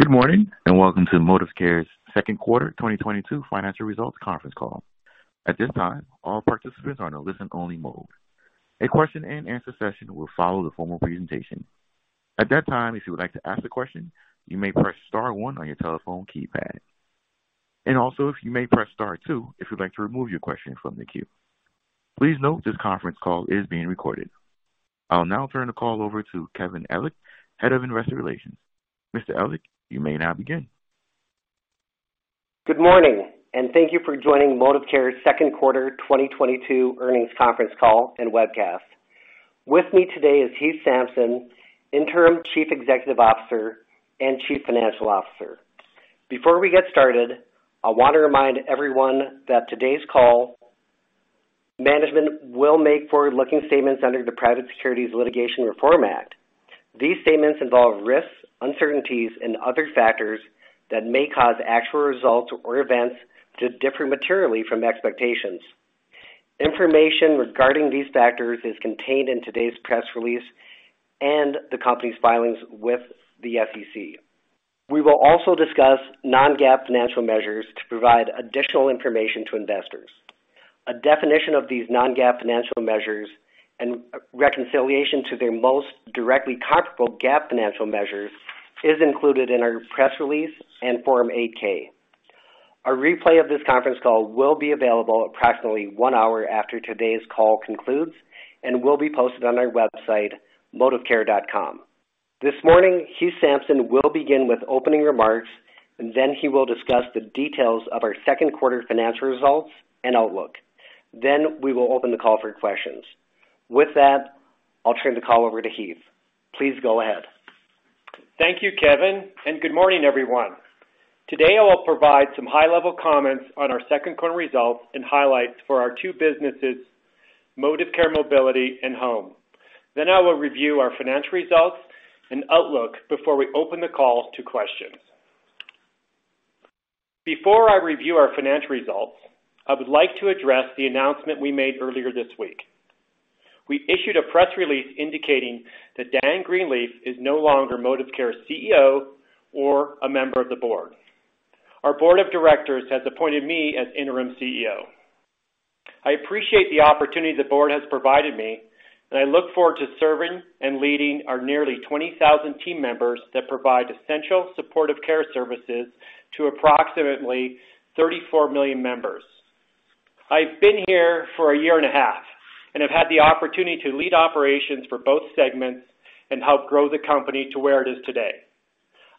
Good morning, and welcome to ModivCare's Second Quarter 2022 Financial Results Conference Call. At this time, all participants are in a listen only mode. A question-and-answer session will follow the formal presentation. At that time, if you would like to ask a question, you may press star one on your telephone keypad. If you may press star two if you'd like to remove your question from the queue. Please note this conference call is being recorded. I'll now turn the call over to Kevin Ellich, Head of Investor Relations. Mr. Ellich, you may now begin. Good morning, and thank you for joining ModivCare's Second Quarter 2022 Earnings Conference Call and Webcast. With me today is Heath Sampson, Interim Chief Executive Officer and Chief Financial Officer. Before we get started, I wanna remind everyone that today's call. Management will make forward-looking statements under the Private Securities Litigation Reform Act. These statements involve risks, uncertainties, and other factors that may cause actual results or events to differ materially from expectations. Information regarding these factors is contained in today's press release and the company's filings with the SEC. We will also discuss non-GAAP financial measures to provide additional information to investors. A definition of these non-GAAP financial measures and reconciliation to their most directly comparable GAAP financial measures is included in our press release and Form 8-K. A replay of this conference call will be available approximately one hour after today's call concludes and will be posted on our website, modivcare.com. This morning, Heath Sampson will begin with opening remarks, and then he will discuss the details of our second quarter financial results and outlook. Then we will open the call for questions. With that, I'll turn the call over to Heath. Please go ahead. Thank you, Kevin, and good morning, everyone. Today, I will provide some high-level comments on our second quarter results and highlights for our two businesses, ModivCare Mobility and Home. Then I will review our financial results and outlook before we open the call to questions. Before I review our financial results, I would like to address the announcement we made earlier this week. We issued a press release indicating that Dan Greenleaf is no longer ModivCare's CEO or a member of the board. Our board of directors has appointed me as interim CEO. I appreciate the opportunity the Board has provided me, and I look forward to serving and leading our nearly 20,000 team members that provide essential supportive care services to approximately 34 million members. I've been here for a year and a half, and I've had the opportunity to lead operations for both segments and help grow the company to where it is today.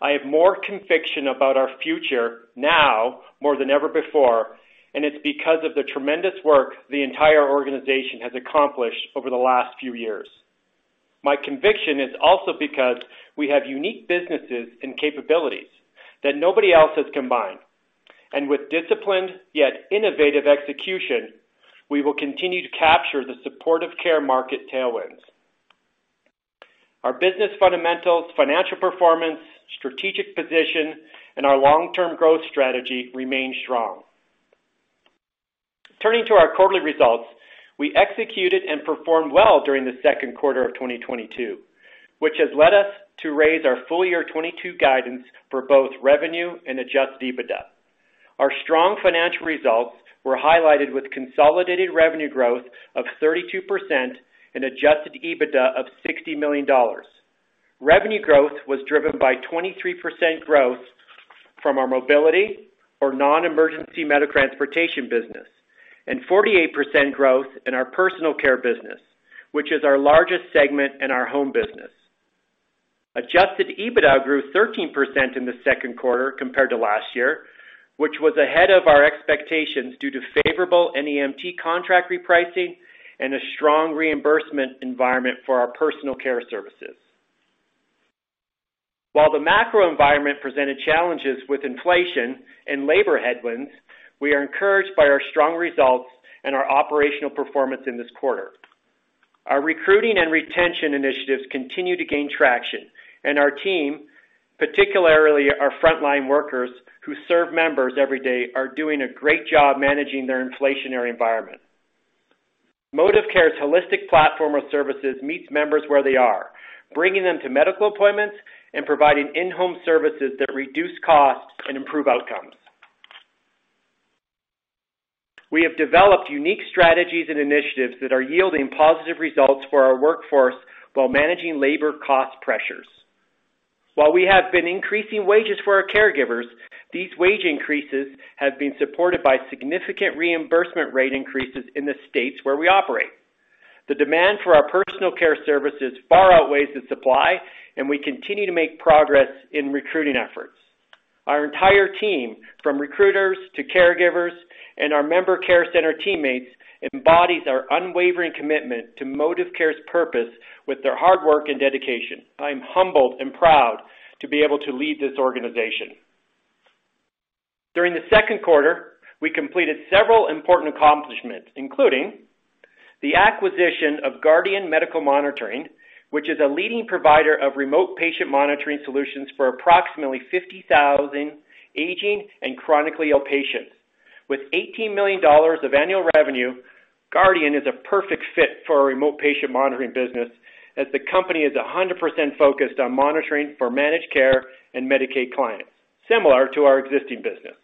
I have more conviction about our future now more than ever before, and it's because of the tremendous work the entire organization has accomplished over the last few years. My conviction is also because we have unique businesses and capabilities that nobody else has combined. With disciplined yet innovative execution, we will continue to capture the supportive care market tailwinds. Our business fundamentals, financial performance, strategic position, and our long-term growth strategy remain strong. Turning to our quarterly results, we executed and performed well during the second quarter of 2022, which has led us to raise our full year 2022 guidance for both revenue and adjusted EBITDA. Our strong financial results were highlighted with consolidated revenue growth of 32% and adjusted EBITDA of $60 million. Revenue growth was driven by 23% growth from our mobility or non-emergency medical transportation business, and 48% growth in our personal care business, which is our largest segment in our home business. Adjusted EBITDA grew 13% in the second quarter compared to last year, which was ahead of our expectations due to favorable NEMT contract repricing and a strong reimbursement environment for our personal care services. While the macro environment presented challenges with inflation and labor headwinds, we are encouraged by our strong results and our operational performance in this quarter. Our recruiting and retention initiatives continue to gain traction, and our team, particularly our frontline workers who serve members every day, are doing a great job managing the inflationary environment. ModivCare's holistic platform of services meets members where they are, bringing them to medical appointments and providing in-home services that reduce costs and improve outcomes. We have developed unique strategies and initiatives that are yielding positive results for our workforce while managing labor cost pressures. While we have been increasing wages for our caregivers, these wage increases have been supported by significant reimbursement rate increases in the states where we operate. The demand for our personal care services far outweighs the supply, and we continue to make progress in recruiting efforts. Our entire team, from recruiters to caregivers and our member care center teammates, embodies our unwavering commitment to ModivCare's purpose with their hard work and dedication. I am humbled and proud to be able to lead this organization. During the second quarter, we completed several important accomplishments, including the acquisition of Guardian Medical Monitoring, which is a leading provider of remote patient monitoring solutions for approximately 50,000 aging and chronically ill patients. With $18 million of annual revenue, Guardian is a perfect fit for our remote patient monitoring business, as the company is 100% focused on monitoring for managed care and Medicaid clients, similar to our existing business.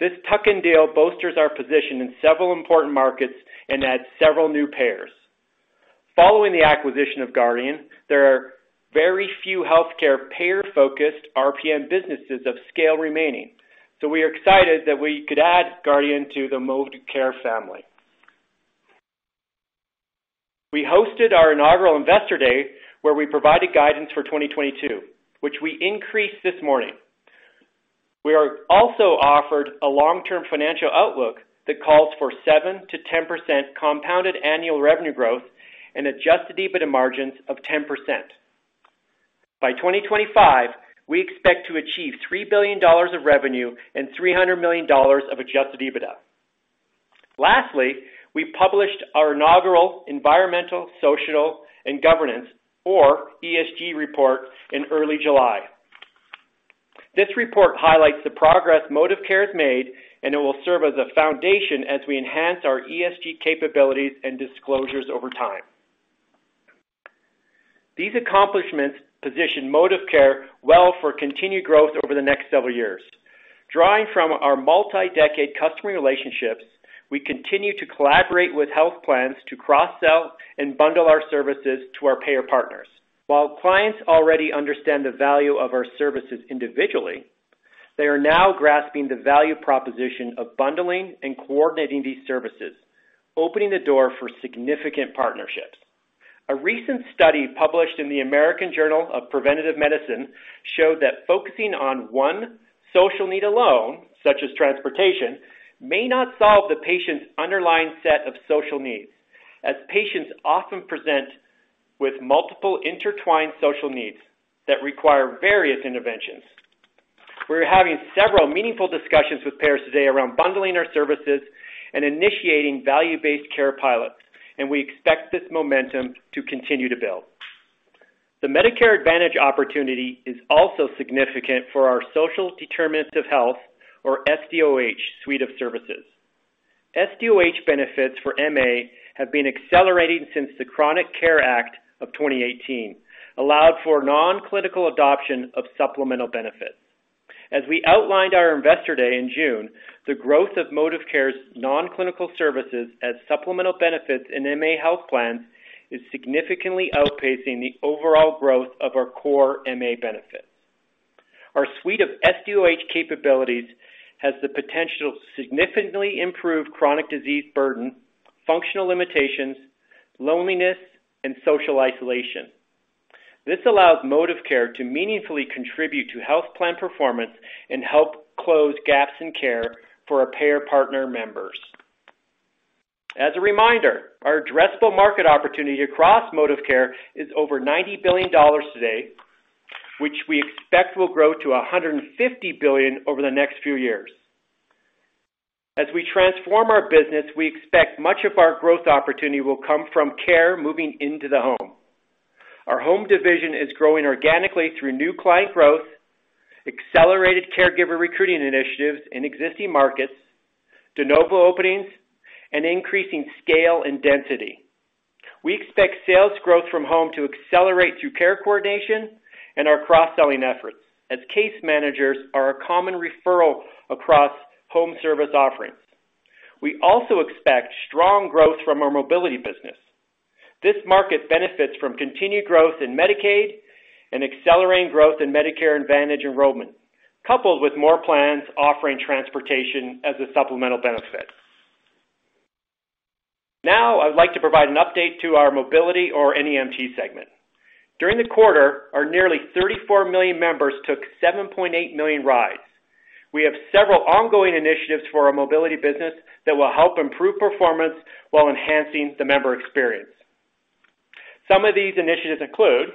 This tuck-in deal bolsters our position in several important markets and adds several new payers. Following the acquisition of Guardian, there are very few healthcare payer-focused RPM businesses of scale remaining, so we are excited that we could add Guardian to the ModivCare family. We hosted our inaugural Investor Day, where we provided guidance for 2022, which we increased this morning. Also offered a long-term financial outlook that calls for 7%-10% compounded annual revenue growth and adjusted EBITDA margins of 10%. By 2025, we expect to achieve $3 billion of revenue and $300 million of adjusted EBITDA. Lastly, we published our inaugural environmental, social, and governance, or ESG, report in early July. This report highlights the progress ModivCare has made, and it will serve as a foundation as we enhance our ESG capabilities and disclosures over time. These accomplishments position ModivCare well for continued growth over the next several years. Drawing from our multi-decade customer relationships, we continue to collaborate with health plans to cross-sell and bundle our services to our payer partners. While clients already understand the value of our services individually, they are now grasping the value proposition of bundling and coordinating these services, opening the door for significant partnerships. A recent study published in the American Journal of Preventive Medicine showed that focusing on one social need alone, such as transportation, may not solve the patient's underlying set of social needs, as patients often present with multiple intertwined social needs that require various interventions. We're having several meaningful discussions with payers today around bundling our services and initiating value-based care pilots, and we expect this momentum to continue to build. The Medicare Advantage opportunity is also significant for our social determinants of health, or SDOH, suite of services. SDOH benefits for MA have been accelerating since the Chronic Care Act of 2018 allowed for non-clinical adoption of supplemental benefits. As we outlined our Investor Day in June, the growth of ModivCare's non-clinical services as supplemental benefits in MA health plans is significantly outpacing the overall growth of our core MA benefits. Our suite of SDOH capabilities has the potential to significantly improve chronic disease burden, functional limitations, loneliness, and social isolation. This allows ModivCare to meaningfully contribute to health plan performance and help close gaps in care for our payer partner members. As a reminder, our addressable market opportunity across ModivCare is over $90 billion today, which we expect will grow to $150 billion over the next few years. As we transform our business, we expect much of our growth opportunity will come from care moving into the home. Our home division is growing organically through new client growth, accelerated caregiver recruiting initiatives in existing markets, de novo openings, and increasing scale and density. We expect sales growth from home to accelerate through care coordination and our cross-selling efforts, as case managers are a common referral across home service offerings. We also expect strong growth from our mobility business. This market benefits from continued growth in Medicaid and accelerating growth in Medicare Advantage enrollment, coupled with more plans offering transportation as a supplemental benefit. Now, I'd like to provide an update to our mobility or NEMT segment. During the quarter, our nearly 34 million members took 7.8 million rides. We have several ongoing initiatives for our mobility business that will help improve performance while enhancing the member experience. Some of these initiatives include,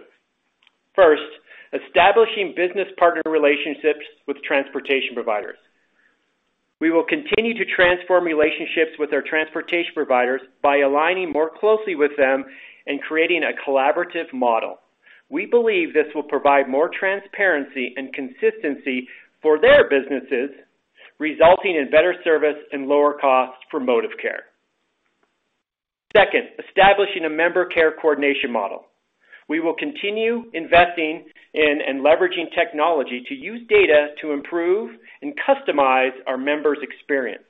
first, establishing business partner relationships with transportation providers. We will continue to transform relationships with our transportation providers by aligning more closely with them and creating a collaborative model. We believe this will provide more transparency and consistency for their businesses, resulting in better service and lower costs for ModivCare. Second, establishing a member care coordination model. We will continue investing in and leveraging technology to use data to improve and customize our members' experience.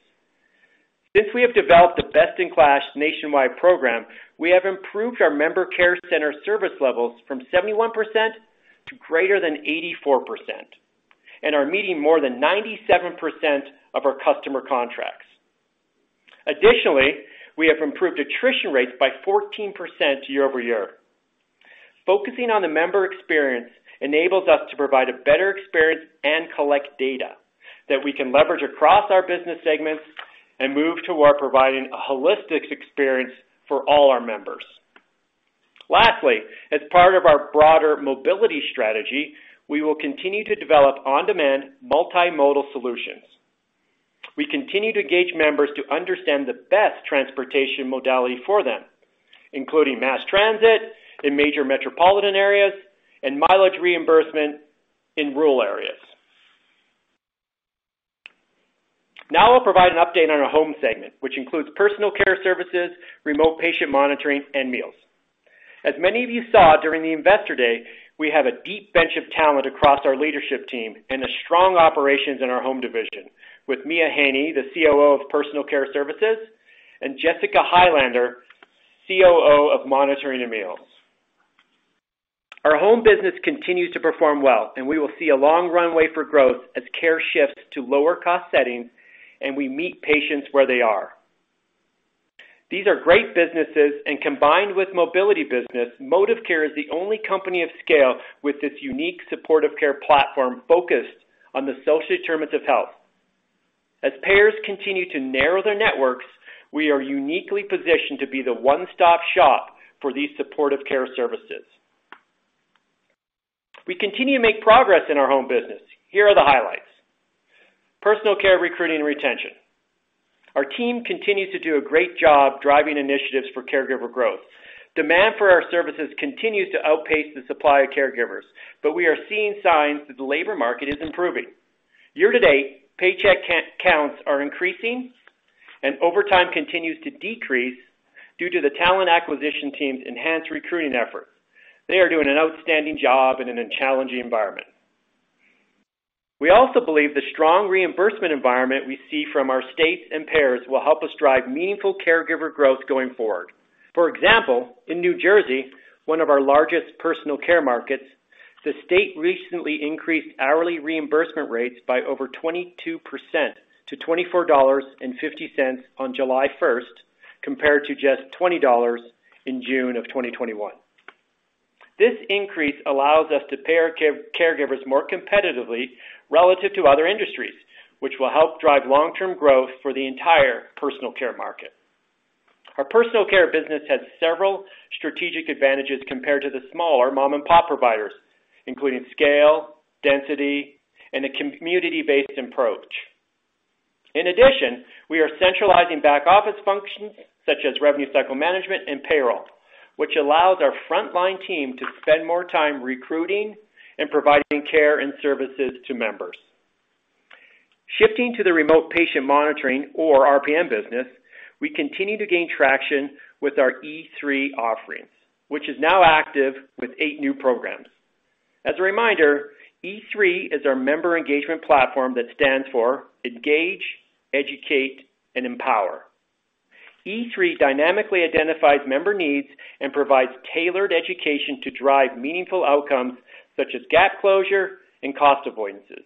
Since we have developed a best-in-class nationwide program, we have improved our member care center service levels from 71% to greater than 84% and are meeting more than 97% of our customer contracts. Additionally, we have improved attrition rates by 14% year-over-year. Focusing on the member experience enables us to provide a better experience and collect data that we can leverage across our business segments and move toward providing a holistic experience for all our members. Lastly, as part of our broader mobility strategy, we will continue to develop on-demand multimodal solutions. We continue to engage members to understand the best transportation modality for them. Including mass transit in major metropolitan areas and mileage reimbursement in rural areas. Now I'll provide an update on our home segment, which includes Personal Care Services, Remote Patient Monitoring, and Meals. As many of you saw during the Investor Day, we have a deep bench of talent across our leadership team and a strong operations in our home division with Mia Haney, the COO of Personal Care Services, and Jessica Hylander, COO of Monitoring and Meals. Our home business continues to perform well, and we will see a long runway for growth as care shifts to lower cost settings, and we meet patients where they are. These are great businesses, and combined with mobility business, ModivCare is the only company of scale with this unique supportive care platform focused on the social determinants of health. As payers continue to narrow their networks, we are uniquely positioned to be the one-stop shop for these supportive care services. We continue to make progress in our home business. Here are the highlights. Personal care recruiting and retention. Our team continues to do a great job driving initiatives for caregiver growth. Demand for our services continues to outpace the supply of caregivers, but we are seeing signs that the labor market is improving. Year-to-date, paycheck counts are increasing and overtime continues to decrease due to the talent acquisition team's enhanced recruiting efforts. They are doing an outstanding job in a challenging environment. We also believe the strong reimbursement environment we see from our states and payers will help us drive meaningful caregiver growth going forward. For example, in New Jersey, one of our largest personal care markets, the state recently increased hourly reimbursement rates by over 22% to $24.50 on July 1, compared to just $20 in June of 2021. This increase allows us to pay our caregivers more competitively relative to other industries, which will help drive long-term growth for the entire personal care market. Our personal care business has several strategic advantages compared to the smaller mom-and-pop providers, including scale, density, and a community-based approach. In addition, we are centralizing back-office functions such as revenue cycle management and payroll, which allows our frontline team to spend more time recruiting and providing care and services to members. Shifting to the remote patient monitoring or RPM business, we continue to gain traction with our E3 offerings, which is now active with eight new programs. As a reminder, E3 is our member engagement platform that stands for engage, educate, and empower. E3 dynamically identifies member needs and provides tailored education to drive meaningful outcomes such as gap closure and cost avoidances.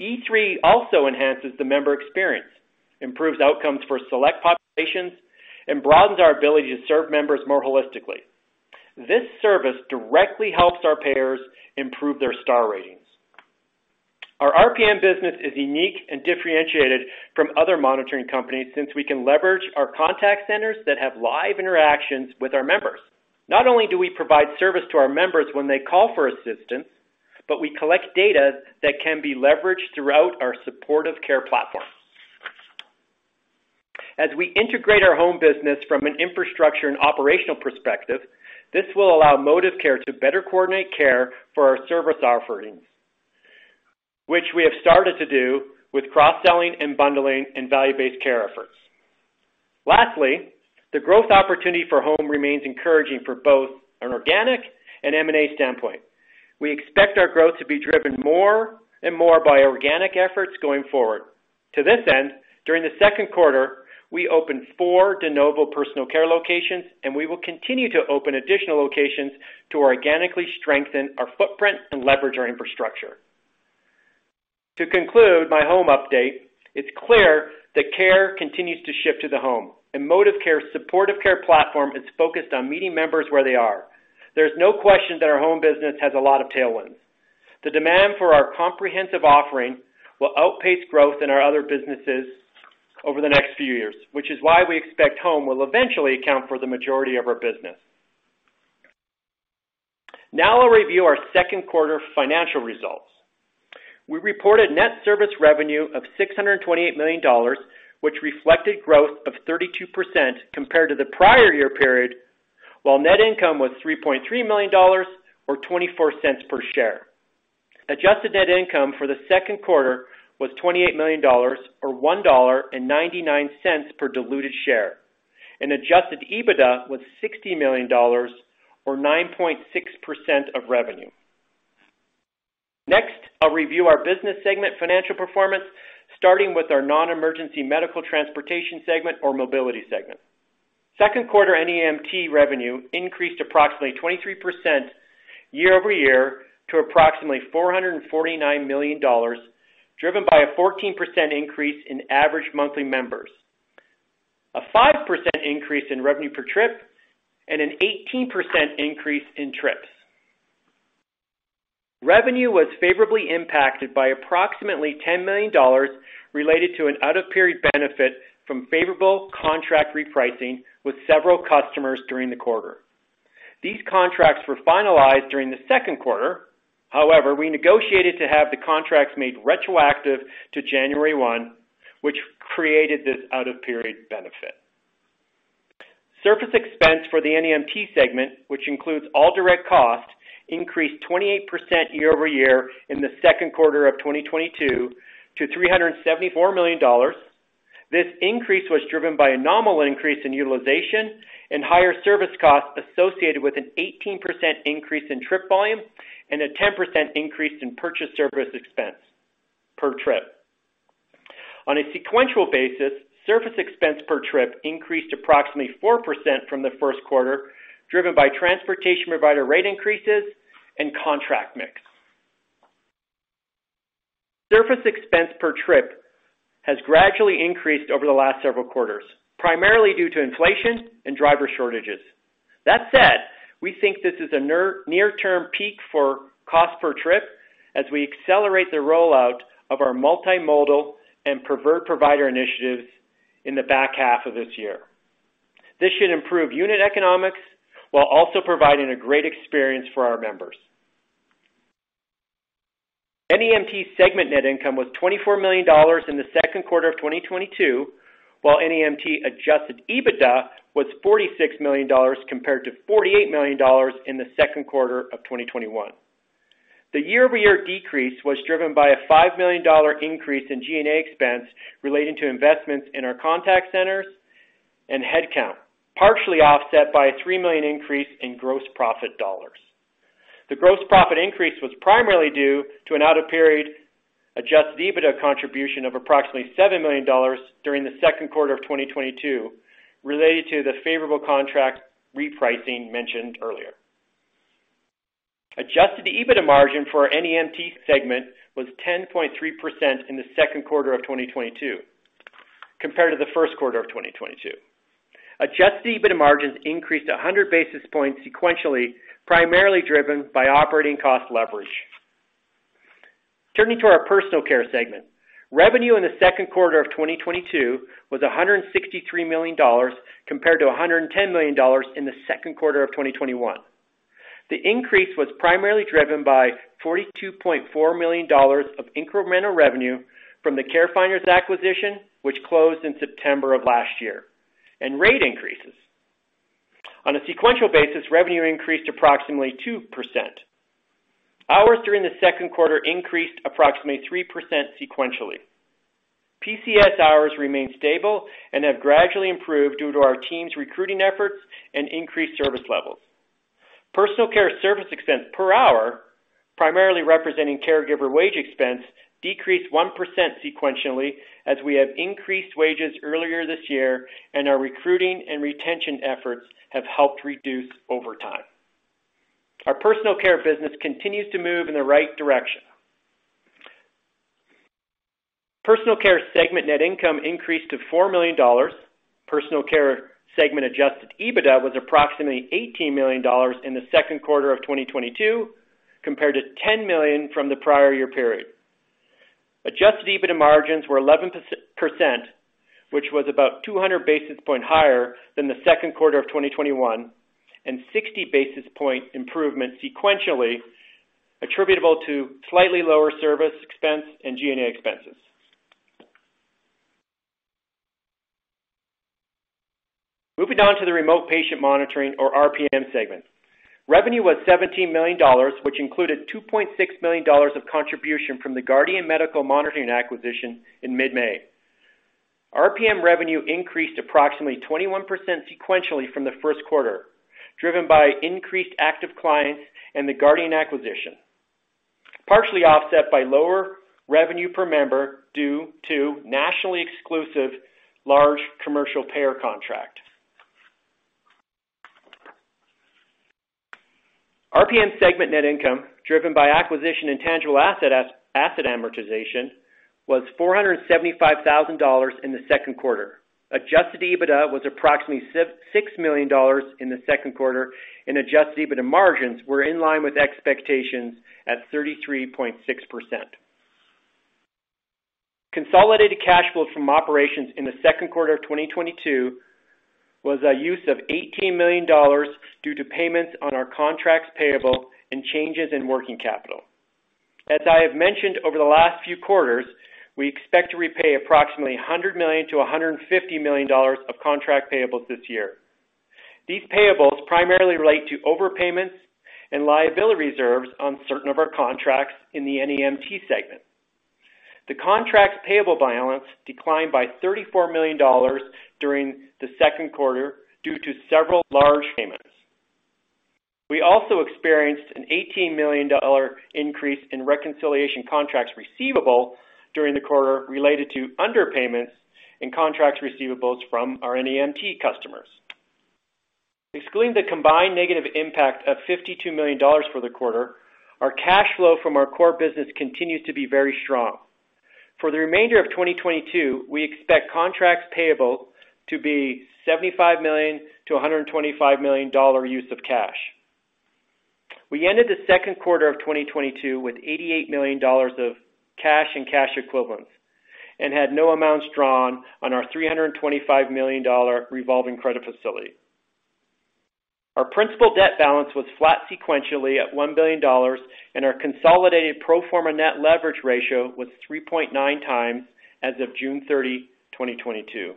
E3 also enhances the member experience, improves outcomes for select populations, and broadens our ability to serve members more holistically. This service directly helps our payers improve their star ratings. Our RPM business is unique and differentiated from other monitoring companies since we can leverage our contact centers that have live interactions with our members. Not only do we provide service to our members when they call for assistance, but we collect data that can be leveraged throughout our supportive care platform. As we integrate our home business from an infrastructure and operational perspective, this will allow ModivCare to better coordinate care for our service offerings, which we have started to do with cross-selling and bundling and value-based care efforts. Lastly, the growth opportunity for home remains encouraging for both an organic and M&A standpoint. We expect our growth to be driven more and more by organic efforts going forward. To this end, during the second quarter, we opened 4 de novo personal care locations, and we will continue to open additional locations to organically strengthen our footprint and leverage our infrastructure. To conclude my home update, it's clear that care continues to shift to the home, and ModivCare's supportive care platform is focused on meeting members where they are. There's no question that our home business has a lot of tailwinds. The demand for our comprehensive offering will outpace growth in our other businesses over the next few years, which is why we expect home will eventually account for the majority of our business. Now I'll review our second quarter financial results. We reported net service revenue of $628 million, which reflected growth of 32% compared to the prior year period, while net income was $3.3 million or $0.24 per share. Adjusted net income for the second quarter was $28 million or $1.99 per diluted share, and adjusted EBITDA was $60 million or 9.6% of revenue. Next, I'll review our business segment financial performance, starting with our non-emergency medical transportation segment or mobility segment. Second quarter NEMT revenue increased approximately 23% year-over-year to approximately $449 million, driven by a 14% increase in average monthly members, a 5% increase in revenue per trip, and an 18% increase in trips. Revenue was favorably impacted by approximately $10 million related to an out-of-period benefit from favorable contract repricing with several customers during the quarter. These contracts were finalized during the second quarter. However, we negotiated to have the contracts made retroactive to January 1, which created this out-of-period benefit. Service expense for the NEMT segment, which includes all direct costs, increased 28% year-over-year in the second quarter of 2022 to $374 million. This increase was driven by a nominal increase in utilization and higher service costs associated with an 18% increase in trip volume and a 10% increase in purchase service expense per trip. On a sequential basis, surface expense per trip increased approximately 4% from the first quarter, driven by transportation provider rate increases and contract mix. Surface expense per trip has gradually increased over the last several quarters, primarily due to inflation and driver shortages. That said, we think this is a near-term peak for cost per trip as we accelerate the rollout of our multimodal and preferred provider initiatives in the back half of this year. This should improve unit economics while also providing a great experience for our members. NEMT segment net income was $24 million in the second quarter of 2022, while NEMT adjusted EBITDA was $46 million compared to $48 million in the second quarter of 2021. The year-over-year decrease was driven by a $5 million increase in G&A expense relating to investments in our contact centers and headcount, partially offset by a $3 million increase in gross profit dollars. The gross profit increase was primarily due to an out-of-period adjusted EBITDA contribution of approximately $7 million during the second quarter of 2022 related to the favorable contract repricing mentioned earlier. Adjusted EBITDA margin for our NEMT segment was 10.3% in the second quarter of 2022 compared to the first quarter of 2022. Adjusted EBITDA margins increased 100 basis points sequentially, primarily driven by operating cost leverage. Turning to our personal care segment. Revenue in the second quarter of 2022 was $163 million compared to $110 million in the second quarter of 2021. The increase was primarily driven by $42.4 million of incremental revenue from the CareFinders acquisition, which closed in September of last year, and rate increases. On a sequential basis, revenue increased approximately 2%. Hours during the second quarter increased approximately 3% sequentially. PCS hours remained stable and have gradually improved due to our team's recruiting efforts and increased service levels. Personal care service expense per hour, primarily representing caregiver wage expense, decreased 1% sequentially as we have increased wages earlier this year and our recruiting and retention efforts have helped reduce overtime. Our personal care business continues to move in the right direction. Personal care segment net income increased to $4 million. Personal care segment adjusted EBITDA was approximately $18 million in the second quarter of 2022 compared to $10 million from the prior year period. Adjusted EBITDA margins were 11%, which was about 200 basis points higher than the second quarter of 2021 and 60 basis points improvement sequentially attributable to slightly lower service expense and G&A expenses. Moving on to the remote patient monitoring or RPM segment. Revenue was $17 million, which included $2.6 million of contribution from the Guardian Medical Monitoring acquisition in mid-May. RPM revenue increased approximately 21% sequentially from the first quarter, driven by increased active clients and the Guardian acquisition, partially offset by lower revenue per member due to nationally exclusive large commercial payer contract. RPM segment net income, driven by acquisition and tangible asset amortization, was $475 thousand in the second quarter. Adjusted EBITDA was approximately $6 million in the second quarter, and adjusted EBITDA margins were in line with expectations at 33.6%. Consolidated cash flow from operations in the second quarter of 2022 was a use of $18 million due to payments on our contracts payable and changes in working capital. I have mentioned over the last few quarters, we expect to repay approximately $100 million-$150 million of contract payables this year. These payables primarily relate to overpayments and liability reserves on certain of our contracts in the NEMT segment. The contracts payable balance declined by $34 million during the second quarter due to several large payments. We experienced an $18 million increase in reconciliation contracts receivable during the quarter related to underpayments and contracts receivables from our NEMT customers. Excluding the combined negative impact of $52 million for the quarter, our cash flow from our core business continues to be very strong. For the remainder of 2022, we expect contracts payable to be $75 million-$125 million dollar use of cash. We ended the second quarter of 2022 with $88 million of cash and cash equivalents and had no amounts drawn on our $325 million dollar revolving credit facility. Our principal debt balance was flat sequentially at $1 billion, and our consolidated pro forma net leverage ratio was 3.9x times as of June 30, 2022,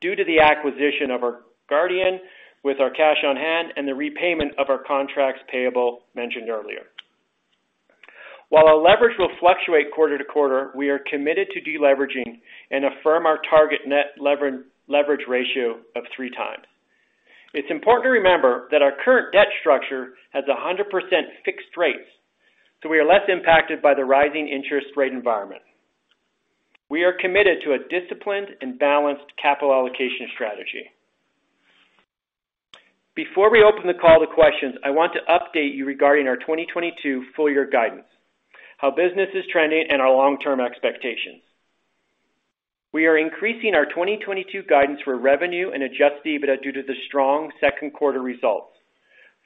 due to the acquisition of our Guardian with our cash on hand and the repayment of our contracts payable mentioned earlier. While our leverage will fluctuate quarter to quarter, we are committed to deleveraging and affirm our target net leverage ratio of 3x. It's important to remember that our current debt structure has 100% fixed rates, so we are less impacted by the rising interest rate environment. We are committed to a disciplined and balanced capital allocation strategy. Before we open the call to questions, I want to update you regarding our 2022 full year guidance, how business is trending, and our long-term expectations. We are increasing our 2022 guidance for revenue and adjusted EBITDA due to the strong second quarter results.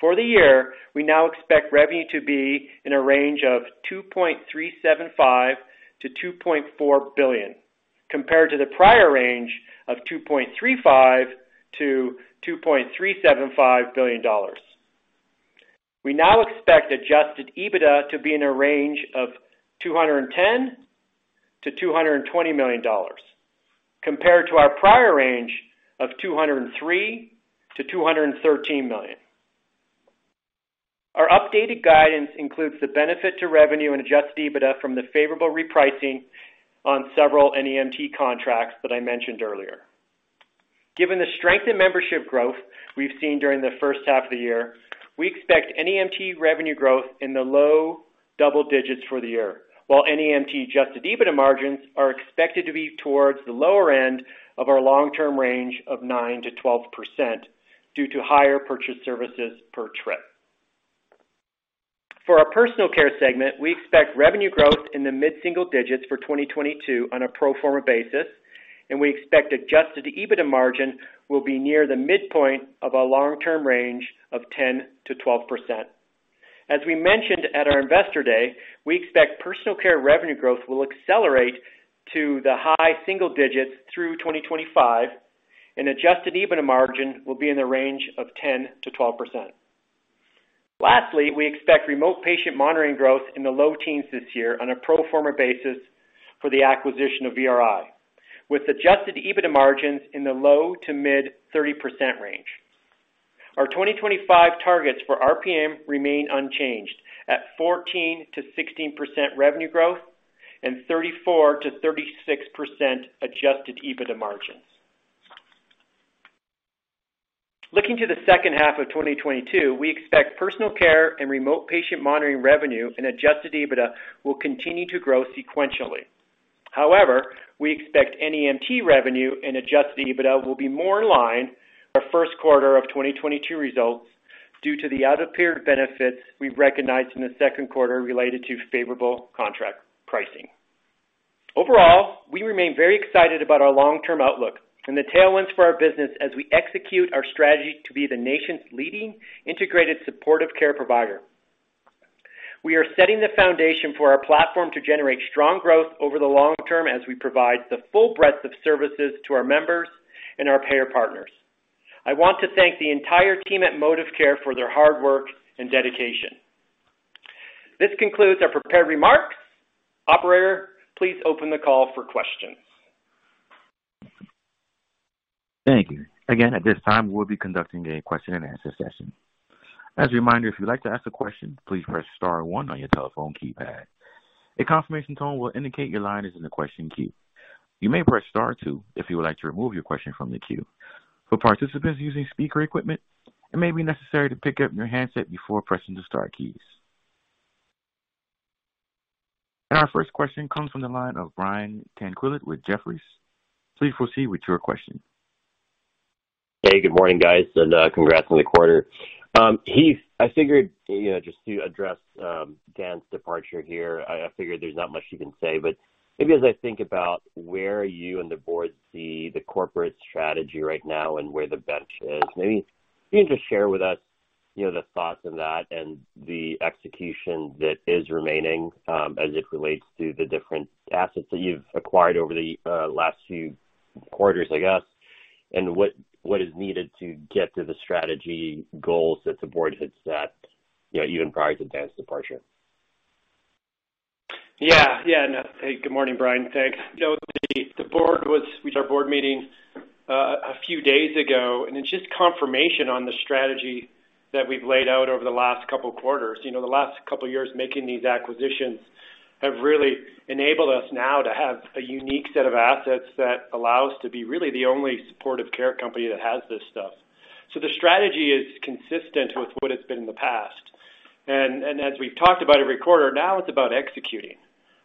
For the year, we now expect revenue to be in a range of $2.375 billion-$2.4 billion, compared to the prior range of $2.35 billion-$2.375 billion. We now expect adjusted EBITDA to be in a range of $210 million-$220 million compared to our prior range of $203 milion-$213 million. Our updated guidance includes the benefit to revenue and adjusted EBITDA from the favorable repricing on several NEMT contracts that I mentioned earlier. Given the strength in membership growth we've seen during the first half of the year, we expect NEMT revenue growth in the low double digits for the year, while NEMT adjusted EBITDA margins are expected to be towards the lower end of our long-term range of 9%-12% due to higher purchased services per trip. For our personal care segment, we expect revenue growth in the mid-single digits for 2022 on a pro forma basis, and we expect adjusted EBITDA margin will be near the midpoint of our long-term range of 10%-12%. As we mentioned at our Investor Day, we expect personal care revenue growth will accelerate to the high single digits through 2025, and adjusted EBITDA margin will be in the range of 10%-12%. Lastly, we expect remote patient monitoring growth in the low teens this year on a pro forma basis for the acquisition of VRI, with adjusted EBITDA margins in the low to mid-30% range. Our 2025 targets for RPM remain unchanged at 14%-16% revenue growth and 34%-36% adjusted EBITDA margins. Looking to the second half of 2022, we expect personal care and remote patient monitoring revenue and adjusted EBITDA will continue to grow sequentially. However, we expect NEMT revenue and adjusted EBITDA will be more in line with our first quarter of 2022 results due to the out of period benefits we recognized in the second quarter related to favorable contract pricing. Overall, we remain very excited about our long-term outlook and the tailwinds for our business as we execute our strategy to be the nation's leading integrated supportive care provider. We are setting the foundation for our platform to generate strong growth over the long term as we provide the full breadth of services to our members and our payer partners. I want to thank the entire team at ModivCare for their hard work and dedication. This concludes our prepared remarks. Operator, please open the call for questions. Thank you. Again, at this time, we'll be conducting a question-and-answer session. As a reminder, if you'd like to ask a question, please press star one on your telephone keypad. A confirmation tone will indicate your line is in the question queue. You may press star two if you would like to remove your question from the queue. For participants using speaker equipment, it may be necessary to pick up your handset before pressing the star keys. Our first question comes from the line of Brian Tanquilut with Jefferies. Please proceed with your question. Hey, good morning, guys, and, congrats on the quarter. Heath, I figured, you know, just to address, Dan's departure here, I figure there's not much you can say, but maybe as I think about where you and the Board see the corporate strategy right now and where the bench is, maybe can you just share with us, you know, the thoughts on that and the execution that is remaining, as it relates to the different assets that you've acquired over the, last few quarters, I guess, and what is needed to get to the strategy goals that the Board had set, you know, even prior to Dan's departure? Yeah. Yeah. No. Hey, good morning, Brian. Thanks. You know, we had our board meeting a few days ago, and it's just confirmation on the strategy that we've laid out over the last couple quarters. You know, the last couple years making these acquisitions have really enabled us now to have a unique set of assets that allow us to be really the only supportive care company that has this stuff. So the strategy is consistent with what it's been in the past. As we've talked about every quarter, now it's about executing.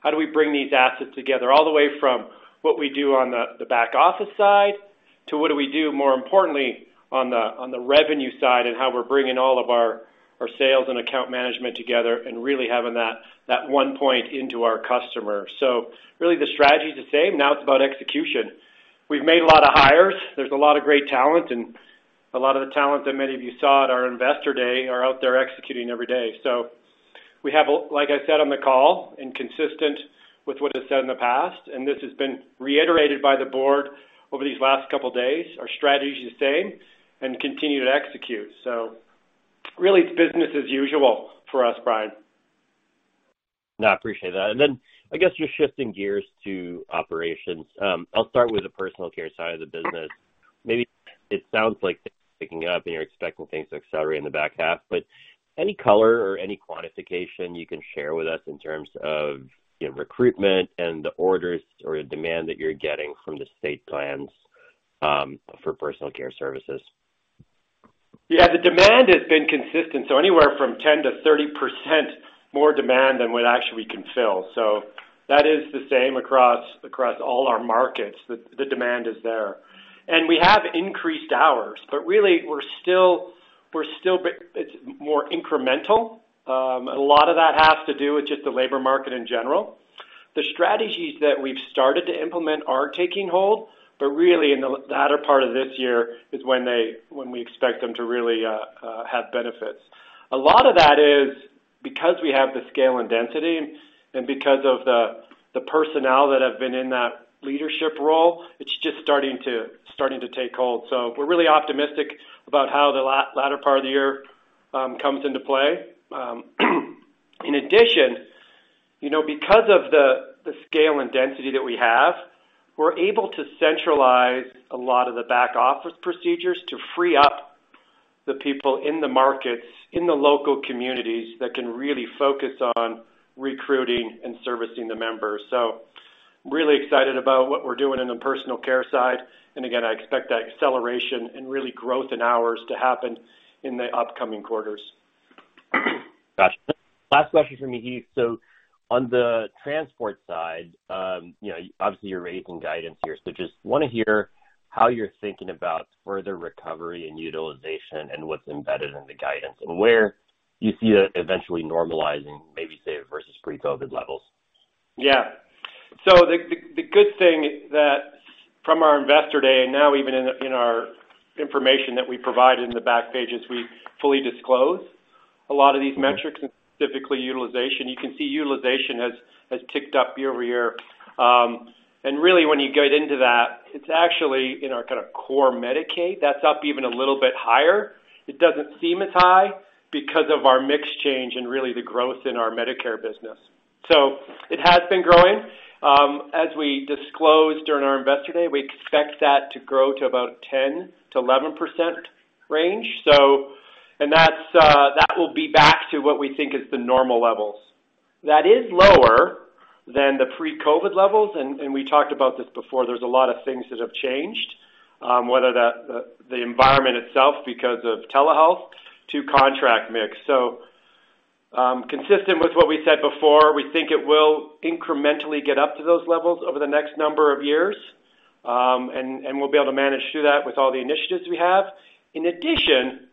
How do we bring these assets together, all the way from what we do on the back office side to what do we do, more importantly, on the revenue side, and how we're bringing all of our sales and account management together and really having that one point into our customer. Really the strategy is the same. Now it's about execution. We've made a lot of hires. There's a lot of great talent, and a lot of the talent that many of you saw at our Investor Day are out there executing every day. We have, like I said on the call, and consistent with what I've said in the past, and this has been reiterated by the Board over these last couple of days, our strategy is the same, and to continue to execute. Really it's business as usual for us, Brian. No, I appreciate that. I guess just shifting gears to operations. I'll start with the personal care side of the business. Maybe it sounds like things are picking up, and you're expecting things to accelerate in the back half, but any color or any quantification you can share with us in terms of, you know, recruitment and the orders or the demand that you're getting from the state plans for personal care services? Yeah. The demand has been consistent, so anywhere from 10%-30% more demand than what actually we can fill. That is the same across all our markets. The demand is there. We have increased hours, but really we're still, it's more incremental. A lot of that has to do with just the labor market in general. The strategies that we've started to implement are taking hold, but really in the latter part of this year is when we expect them to really have benefits. A lot of that is because we have the scale and density and because of the personnel that have been in that leadership role, it's just starting to take hold. We're really optimistic about how the latter part of the year comes into play. In addition, you know, because of the scale and density that we have, we're able to centralize a lot of the back office procedures to free up the people in the markets, in the local communities that can really focus on recruiting and servicing the members. I'm really excited about what we're doing in the personal care side. Again, I expect that acceleration and really growth in ours to happen in the upcoming quarters. Got you. Last question from me, Heath. On the transport side, you know, obviously, you're raising guidance here, so just wanna hear how you're thinking about further recovery and utilization and what's embedded in the guidance and where you see it eventually normalizing, maybe say versus pre-COVID levels? Yeah. The good thing that from our Investor Day, and now even in our information that we provide in the back pages, we fully disclose a lot of these metrics, and specifically utilization. You can see utilization has ticked up year-over-year. Really when you get into that, it's actually in our kind of core Medicaid that's up even a little bit higher. It doesn't seem as high because of our mix change and really the growth in our Medicare business. It has been growing. As we disclosed during our investor day, we expect that to grow to about 10%-11% range. That's that will be back to what we think is the normal levels. That is lower than the pre-COVID levels, and we talked about this before, there's a lot of things that have changed, whether the environment itself because of telehealth to contract mix. Consistent with what we said before, we think it will incrementally get up to those levels over the next number of years, and we'll be able to manage through that with all the initiatives we have, in addition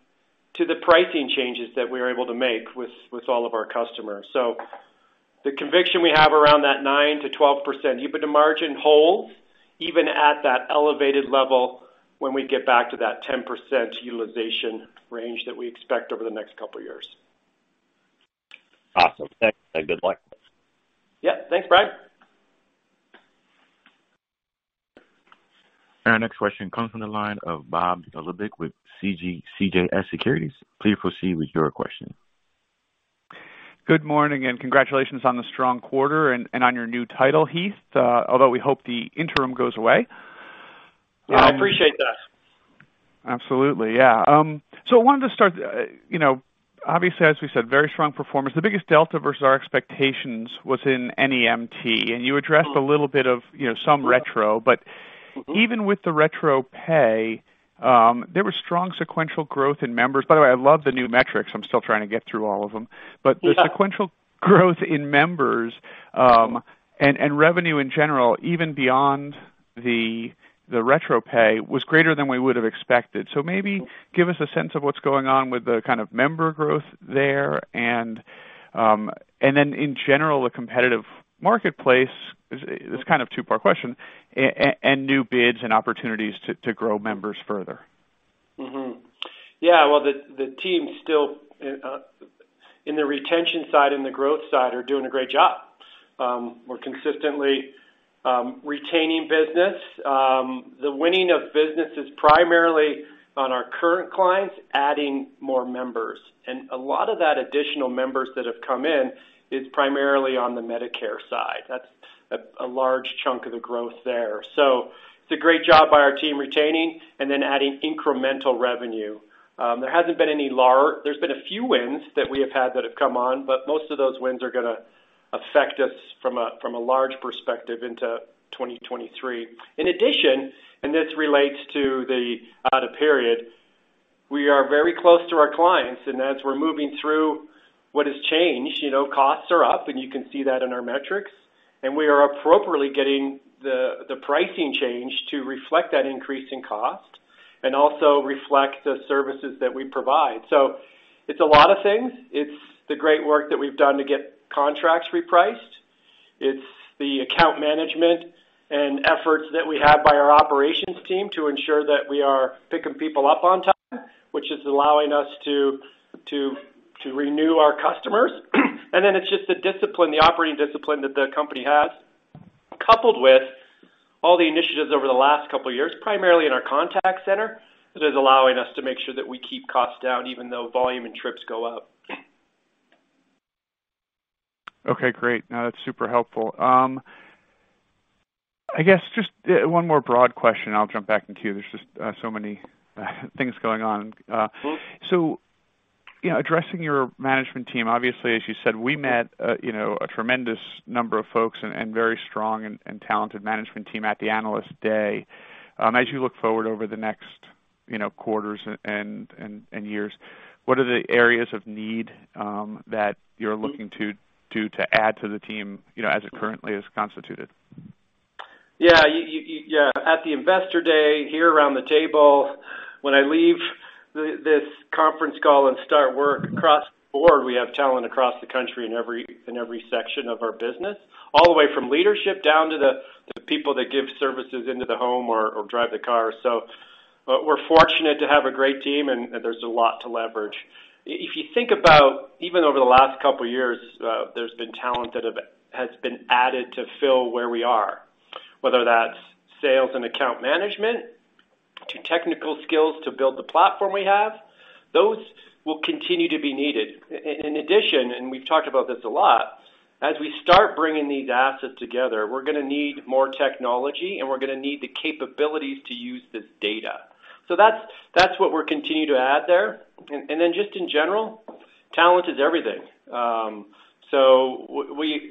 to the pricing changes that we're able to make with all of our customers. The conviction we have around that 9%-12% EBITDA margin holds even at that elevated level when we get back to that 10% utilization range that we expect over the next couple of years. Awesome. Thanks, and good luck. Yeah. Thanks, Brian. Our next question comes from the line of Bob Labick with CJS Securities. Please proceed with your question. Good morning, and congratulations on the strong quarter and on your new title, Heath, although we hope the interim goes away. Yeah, I appreciate that. Absolutely. Yeah. So I wanted to start, you know, obviously, as we said, very strong performance. The biggest delta versus our expectations was in NEMT, and you addressed a little bit of, you know, some retro. Even with the retro pay, there was strong sequential growth in members. By the way, I love the new metrics. I'm still trying to get through all of them. Yeah. The sequential growth in members, and revenue in general, even beyond the retro pay, was greater than we would have expected. Maybe give us a sense of what's going on with the kind of member growth there and then in general, the competitive marketplace is kind of two-part question, and new bids and opportunities to grow members further? The team still in the retention side and the growth side are doing a great job. We're consistently retaining business. The winning of business is primarily on our current clients adding more members. A lot of that additional members that have come in is primarily on the Medicare side. That's a large chunk of the growth there. It's a great job by our team retaining and then adding incremental revenue. There's been a few wins that we have had that have come on, but most of those wins are gonna affect us from a large perspective into 2023. In addition, this relates to the latter period. We are very close to our clients, and as we're moving through what has changed, you know, costs are up, and you can see that in our metrics, and we are appropriately getting the pricing change to reflect that increase in cost. And also reflect the services that we provide. It's a lot of things. It's the great work that we've done to get contracts repriced. It's the account management and efforts that we have by our operations team to ensure that we are picking people up on time, which is allowing us to renew our customers. It's just the discipline, the operating discipline that the company has, coupled with all the initiatives over the last couple of years, primarily in our contact center, that is allowing us to make sure that we keep costs down even though volume and trips go up. Okay, great. Now that's super helpful. I guess just one more broad question, I'll jump back into you. There's just so many things going on. So, you know, addressing your management team, obviously, as you said, we met you know, a tremendous number of folks and very strong and talented management team at the Analyst Day. As you look forward over the next, you know, quarters and years, what are the areas of need that you're looking to add to the team, you know, as it currently is constituted? Yeah. At the Investor Day, here around the table, when I leave this conference call and start work across the board, we have talent across the country in every section of our business, all the way from leadership down to the people that give services into the home or drive the car. We're fortunate to have a great team, and there's a lot to leverage. If you think about even over the last couple of years, there's been talent that has been added to fill where we are, whether that's sales and account management to technical skills to build the platform we have, those will continue to be needed. In addition, we've talked about this a lot, as we start bringing these assets together, we're gonna need more technology, and we're gonna need the capabilities to use this data. That's what we're continuing to add there. Just in general, talent is everything.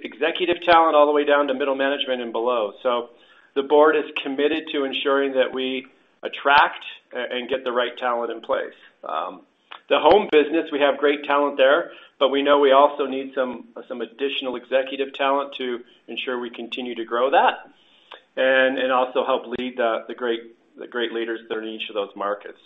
Executive talent all the way down to middle management and below. The Board is committed to ensuring that we attract and get the right talent in place. The home business, we have great talent there, but we know we also need some additional executive talent to ensure we continue to grow that and also help lead the great leaders that are in each of those markets.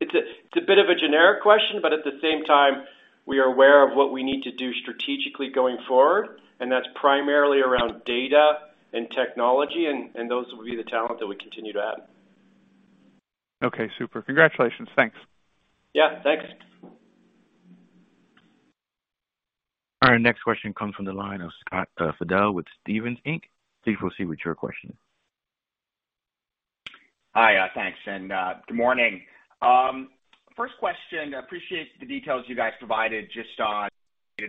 It's a bit of a generic question, but at the same time, we are aware of what we need to do strategically going forward, and that's primarily around data and technology, and those will be the talent that we continue to add. Okay, super. Congratulations. Thanks. Yeah, thanks. All right, next question comes from the line of Scott Fidel with Stephens, Inc. Please proceed with your question. Hi, thanks, and good morning. First question, I appreciate the details you guys provided just on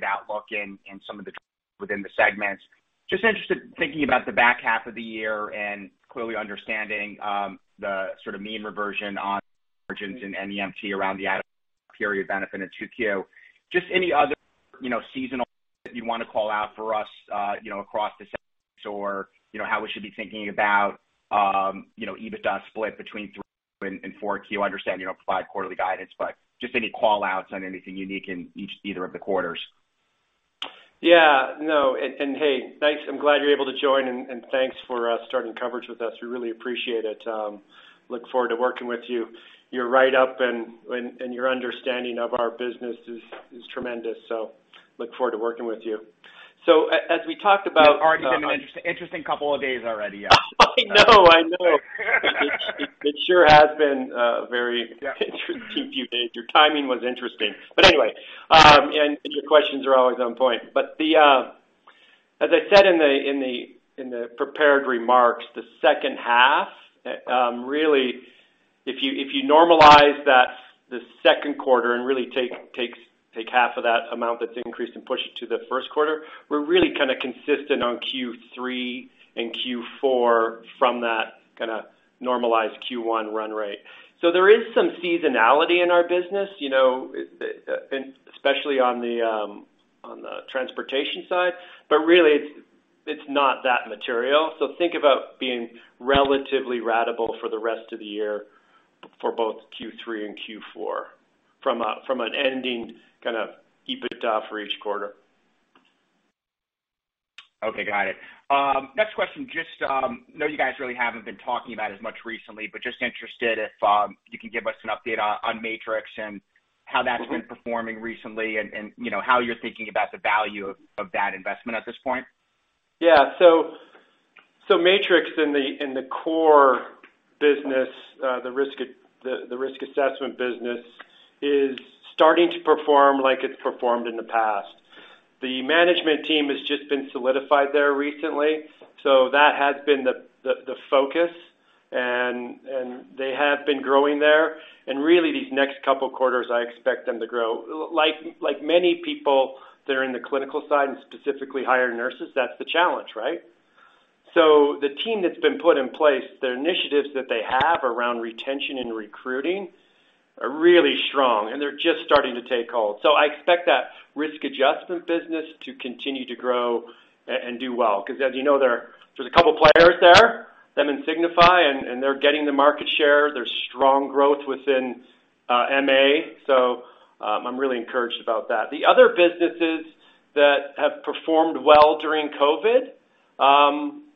outlook and some of the within the segments. Just interested in thinking about the back half of the year and clearly understanding the sort of mean reversion on emergence in NEMT around the period benefit of 2Q. Just any other, you know, seasonality that you wanna call out for us, you know, across the, or, you know, how we should be thinking about, you know, EBITDA split between 3Q and 4Q? I understand you don't provide quarterly guidance, but just any call outs on anything unique in each either of the quarters. Yeah, no. Hey, thanks. I'm glad you're able to join and thanks for starting coverage with us. We really appreciate it. Look forward to working with you. Your write-up and your understanding of our business is tremendous. Look forward to working with you. As we talked about. Already been an interesting couple of days already. Yeah. I know, I know. It sure has been a very interesting few days. Your timing was interesting. Anyway, your questions are always on point. As I said in the prepared remarks, the second half, really if you normalize to the second quarter and really take half of that amount that's increased and push it to the first quarter, we're really kind of consistent on Q3 and Q4 from that kind of normalized Q1 run rate. There is some seasonality in our business, you know, especially on the transportation side, but really it's not that material. Think about being relatively ratable for the rest of the year for both Q3 and Q4 from an ending kind of EBITDA for each quarter. Okay, got it. Next question, just know you guys really haven't been talking about as much recently, but just interested if you can give us an update on Matrix and how that's been performing recently and you know, how you're thinking about the value of that investment at this point? Yeah. Matrix in the core business, the risk assessment business is starting to perform like it's performed in the past. The management team has just been solidified there recently. That has been the focus. They have been growing there. Really these next couple quarters, I expect them to grow. Like many people that are in the clinical side and specifically hire nurses, that's the challenge, right? The team that's been put in place, the initiatives that they have around retention and recruiting are really strong, and they're just starting to take hold. I expect that risk adjustment business to continue to grow and do well, 'cause as you know, there's a couple of players there, them and Signify, and they're getting the market share. There's strong growth within MA. I'm really encouraged about that. The other businesses that have performed well during COVID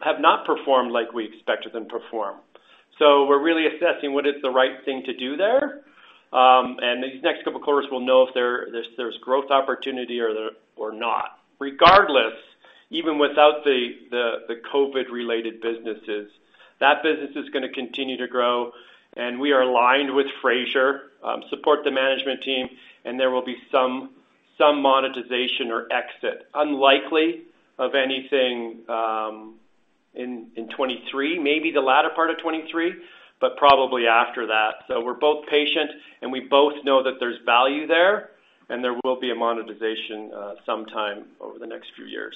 have not performed like we expected them to perform. We're really assessing what is the right thing to do there. These next couple of quarters, we'll know if there's growth opportunity or not. Regardless, even without the COVID-related businesses, that business is gonna continue to grow, and we are aligned with Frazier support the management team, and there will be some monetization or exit. Unlikely of anything in 2023, maybe the latter part of 2023, but probably after that. We're both patient, and we both know that there's value there, and there will be a monetization sometime over the next few years.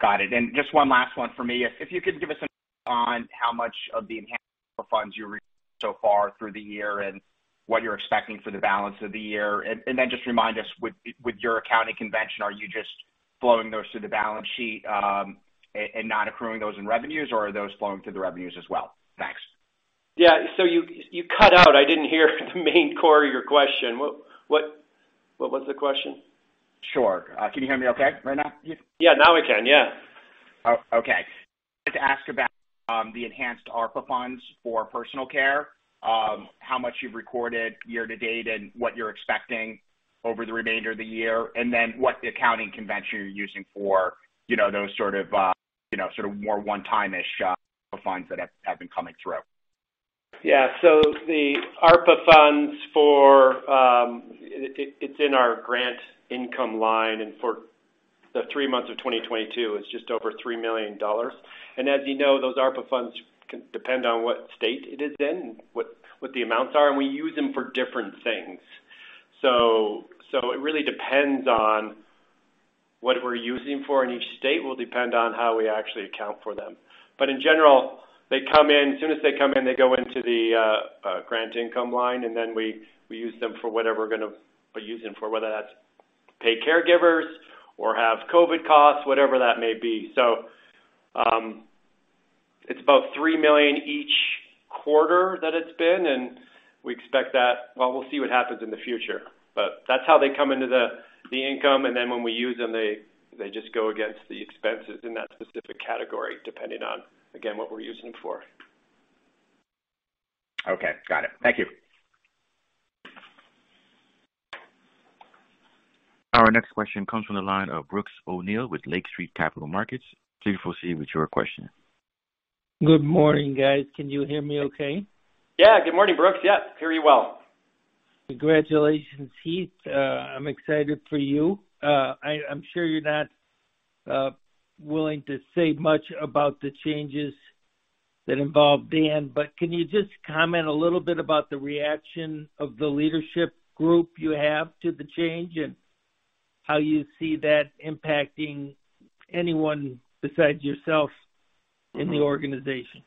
Got it. Just one last one for me. If you could give us a sense on how much of the enhanced ARPA funds you received so far through the year and what you're expecting for the balance of the year? Then just remind us with your accounting convention, are you just flowing those through the balance sheet, and not accruing those in revenues, or are those flowing through the revenues as well? Thanks. Yeah. You cut out. I didn't hear the main core of your question. What was the question? Sure. Can you hear me okay right now, Heath? Yeah, now I can, yeah. Oh, okay. I'd like to ask about the enhanced ARPA funds for personal care, how much you've recorded year to date and what you're expecting over the remainder of the year, and then what the accounting convention you're using for, you know, those sort of, you know, sort of more one-time-ish funds that have been coming through? Yeah. It's in our grant income line. For the three months of 2022, it's just over $3 million. As you know, those ARPA funds can depend on what state it is in, what the amounts are, and we use them for different things. It really depends on what we're using them for, and each state will depend on how we actually account for them. In general, they come in as soon as they come in, they go into the grant income line, and then we use them for whatever we're gonna use them for, whether that's pay caregivers or have COVID costs, whatever that may be. It's about $3 million each quarter that it's been, and we expect that. Well, we'll see what happens in the future. That's how they come into the income. Then when we use them, they just go against the expenses in that specific category, depending on, again, what we're using them for. Okay. Got it. Thank you. Our next question comes from the line of Brooks O'Neil with Lake Street Capital Markets. Please proceed with your question. Good morning, guys. Can you hear me okay? Yeah. Good morning, Brooks. Yeah, hear you well. Congratulations, Heath. I'm excited for you. I'm sure you're not willing to say much about the changes that involve Dan, but can you just comment a little bit about the reaction of the leadership group you have to the change and how you see that impacting anyone besides yourself in the organization?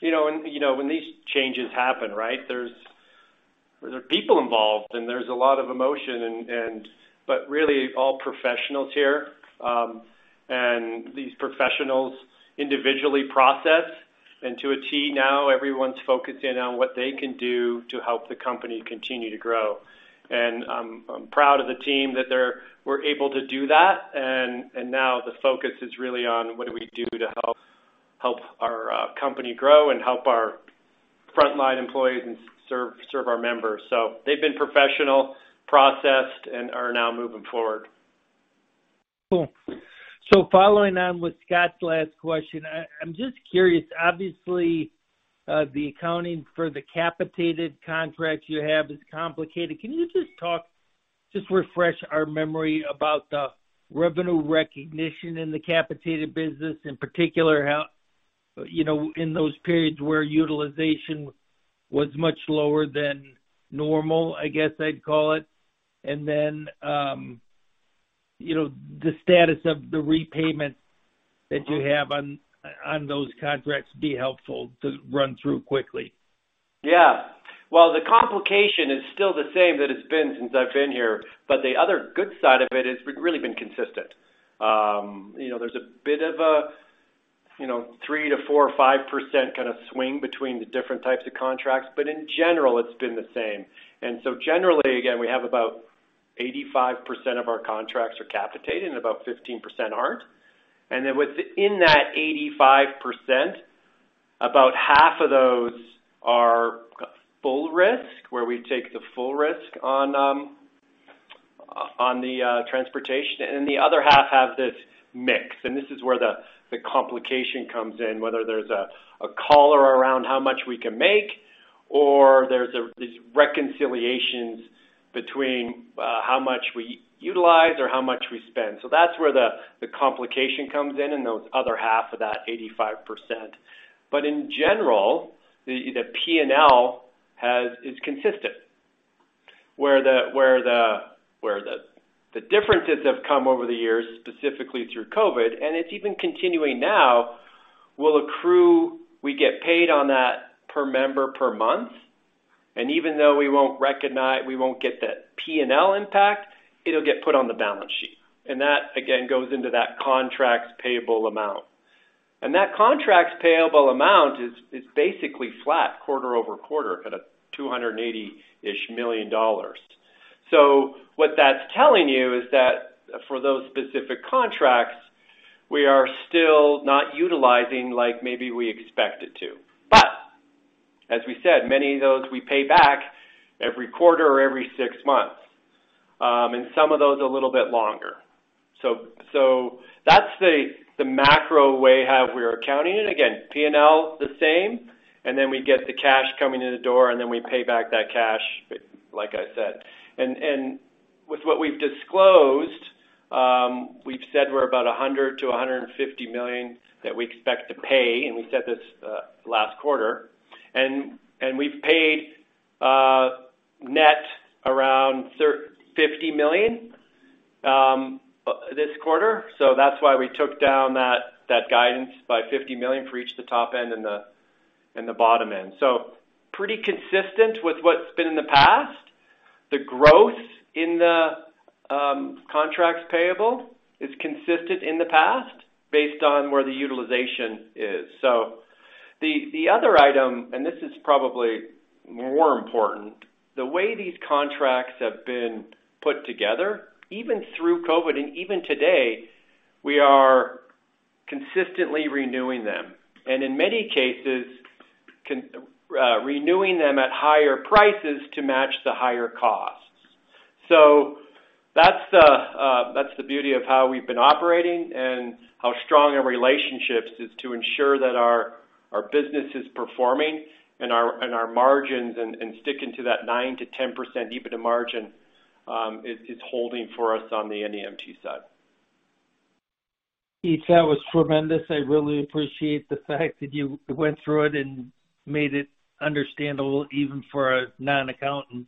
You know, when you know when these changes happen, right, there are people involved, and there's a lot of emotion and, really all professionals here. These professionals individually process. To a tee now everyone's focusing on what they can do to help the company continue to grow. I'm proud of the team that were able to do that. Now the focus is really on what do we do to help our company grow and help our frontline employees and serve our members. They've been professional, processed, and are now moving forward. Cool. Following on with Scott's last question, I'm just curious. Obviously, the accounting for the capitated contracts you have is complicated. Can you just talk, just refresh our memory about the revenue recognition in the capitated business, in particular how, you know, in those periods where utilization was much lower than normal, I guess I'd call it? Then, you know, the status of the repayment that you have on those contracts be helpful to run through quickly. Yeah. Well, the complication is still the same that it's been since I've been here, but the other good side of it is it's really been consistent. You know, there's a bit of a, you know, 3%-4% or 5% kind of swing between the different types of contracts, but in general, it's been the same. Generally, again, we have about 85% of our contracts are capitated and about 15% aren't. Then within that 85%, about half of those are full risk, where we take the full risk on the transportation, and the other half have this mix. This is where the complication comes in, whether there's a collar around how much we can make or there's these reconciliations between how much we utilize or how much we spend. That's where the complication comes in in those other half of that 85%. In general, the P&L is consistent. Where the differences have come over the years, specifically through COVID, and it's even continuing now, we accrue, we get paid on that per member per month, and even though we won't get the P&L impact, it'll get put on the balance sheet. That, again, goes into that contract payable amount. That contracts payable amount is basically flat quarter-over-quarter at $280-ish million. What that's telling you is that for those specific contracts, we are still not utilizing like maybe we expected to. As we said, many of those we pay back every quarter or every six months, and some of those a little bit longer. That's the macro way how we are accounting. Again, P&L the same, and then we get the cash coming in the door, and then we pay back that cash, like I said. With what we've disclosed, we've said we're about $100 million-$150 million that we expect to pay, and we said this last quarter. We've paid net around $50 million this quarter. That's why we took down that guidance by $50 million for each the top end and the bottom end. Pretty consistent with what's been in the past. The growth in the contracts payable is consistent in the past based on where the utilization is. The other item, and this is probably more important, the way these contracts have been put together, even through COVID and even today, we are consistently renewing them, and in many cases renewing them at higher prices to match the higher costs. That's the beauty of how we've been operating and how strong our relationships is to ensure that our business is performing and our margins and sticking to that 9%-10% EBITDA margin is holding for us on the NEMT side. Heath, that was tremendous. I really appreciate the fact that you went through it and made it understandable even for a non-accountant.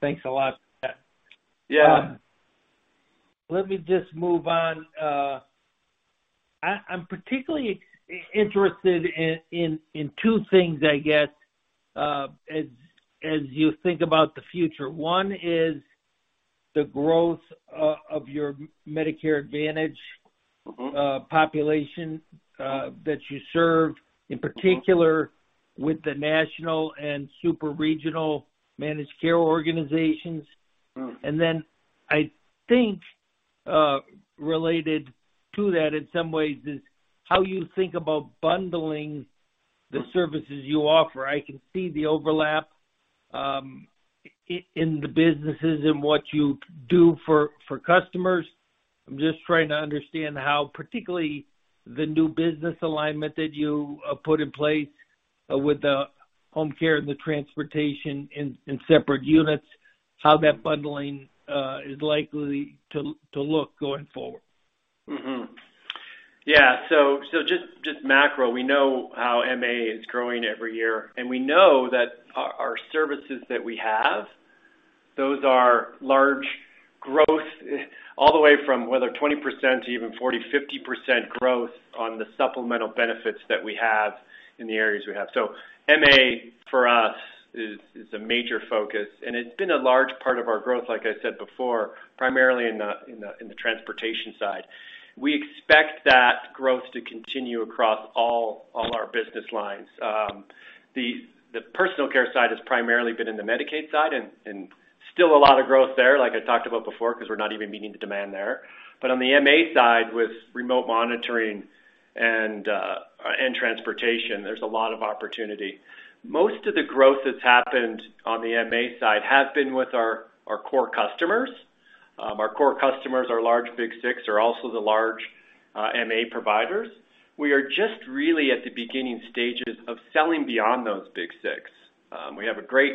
Thanks a lot for that. Yeah. Let me just move on. I'm particularly interested in two things I guess, as you think about the future. One is the growth of your Medicare Advantage. Mm-hmm. Population that you serve. Mm-hmm. In particular with the national and super-regional managed care organizations. Mm. I think related to that in some ways is how you think about bundling the services you offer. I can see the overlap in the businesses and what you do for customers. I'm just trying to understand how particularly the new business alignment that you put in place with the home care and the transportation in separate units, how that bundling is likely to look going forward? Just macro, we know how MA is growing every year, and we know that our services that we have, those are large growth all the way from 20% to even 40%-50% growth on the supplemental benefits that we have in the areas we have. MA for us is a major focus, and it's been a large part of our growth, like I said before, primarily in the transportation side. We expect that growth to continue across all our business lines. The personal care side has primarily been in the Medicaid side and still a lot of growth there, like I talked about before, 'cause we're not even meeting the demand there. On the MA side with remote monitoring and transportation, there's a lot of opportunity. Most of the growth that's happened on the MA side has been with our core customers. Our core customers, our large Big Six, are also the large MA providers. We are just really at the beginning stages of selling beyond those Big Six. We have a great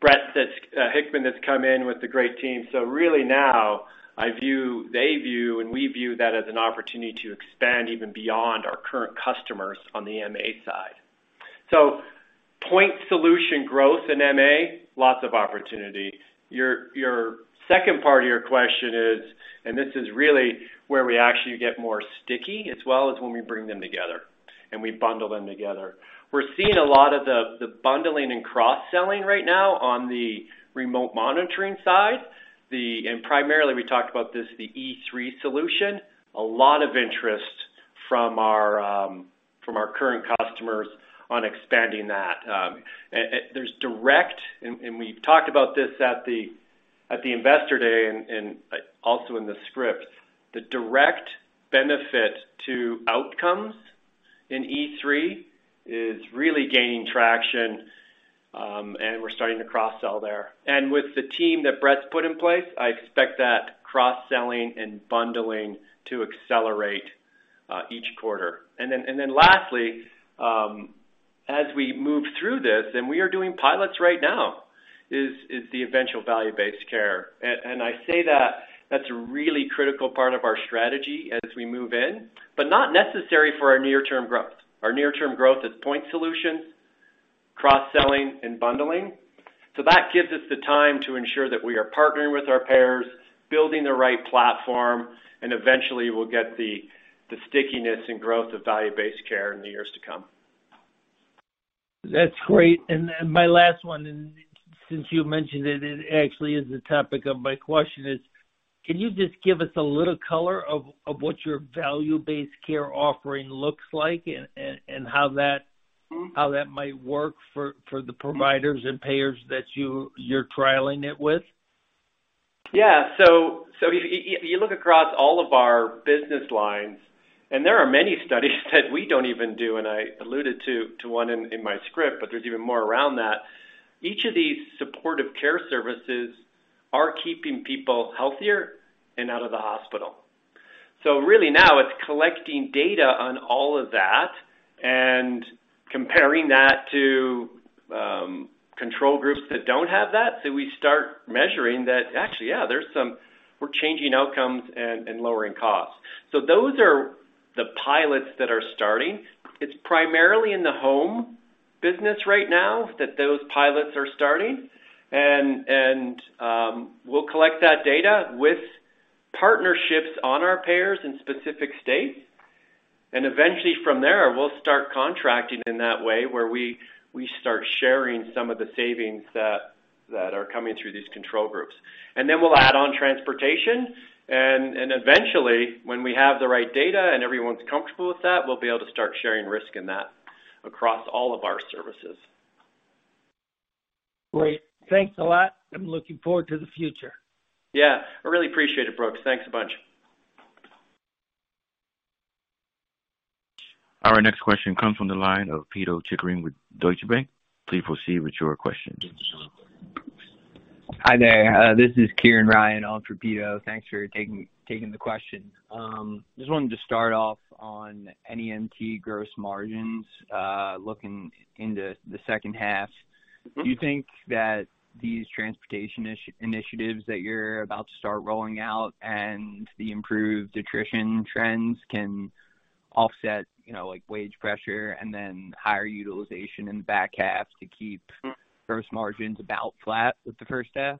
Brett Hickman that's come in with a great team. Really now, I view, they view, and we view that as an opportunity to expand even beyond our current customers on the MA side. Point solution growth in MA, lots of opportunity. Your second part of your question is, and this is really where we actually get more sticky, as well as when we bring them together and we bundle them together. We're seeing a lot of the bundling and cross-selling right now on the remote monitoring side. Primarily, we talked about this, the E3 solution, a lot of interest from our current customers on expanding that. We've talked about this at the Investor Day and also in the scripts, the direct benefit to outcomes in E3 is really gaining traction, and we're starting to cross-sell there. With the team that Brett's put in place, I expect that cross-selling and bundling to accelerate each quarter. Lastly, as we move through this, we are doing pilots right now, is the eventual value-based care. I say that's a really critical part of our strategy as we move in, but not necessary for our near-term growth. Our near-term growth is point solutions, cross-selling and bundling. That gives us the time to ensure that we are partnering with our payers, building the right platform, and eventually we'll get the stickiness and growth of value-based care in the years to come. That's great. My last one, and since you mentioned it actually is the topic of my question. Can you just give us a little color on what your value-based care offering looks like and how that? Mm-hmm. How that might work for the providers and payers that you're trialing it with? If you look across all of our business lines, and there are many studies that we don't even do, and I alluded to one in my script, but there's even more around that. Each of these supportive care services are keeping people healthier and out of the hospital. Really now it's collecting data on all of that and comparing that to control groups that don't have that. We start measuring that actually. We're changing outcomes and lowering costs. Those are the pilots that are starting. It's primarily in the home business right now that those pilots are starting. We'll collect that data with partnerships on our payers in specific states. Eventually from there, we'll start contracting in that way where we start sharing some of the savings that are coming through these control groups. We'll add on transportation. Eventually, when we have the right data and everyone's comfortable with that, we'll be able to start sharing risk in that across all of our services. Great. Thanks a lot. I'm looking forward to the future. Yeah. I really appreciate it, Brooks. Thanks a bunch. Our next question comes from the line of Pito Chickering with Deutsche Bank. Please proceed with your question. Hi there. This is Kieran Ryan on for Pito. Thanks for taking the question. Just wanted to start off on NEMT gross margins, looking into the second half. Mm-hmm. Do you think that these transportation initiatives that you're about to start rolling out and the improved attrition trends can offset, you know, like, wage pressure and then higher utilization in the back half to keep? Mm-hmm. Gross margins about flat with the first half?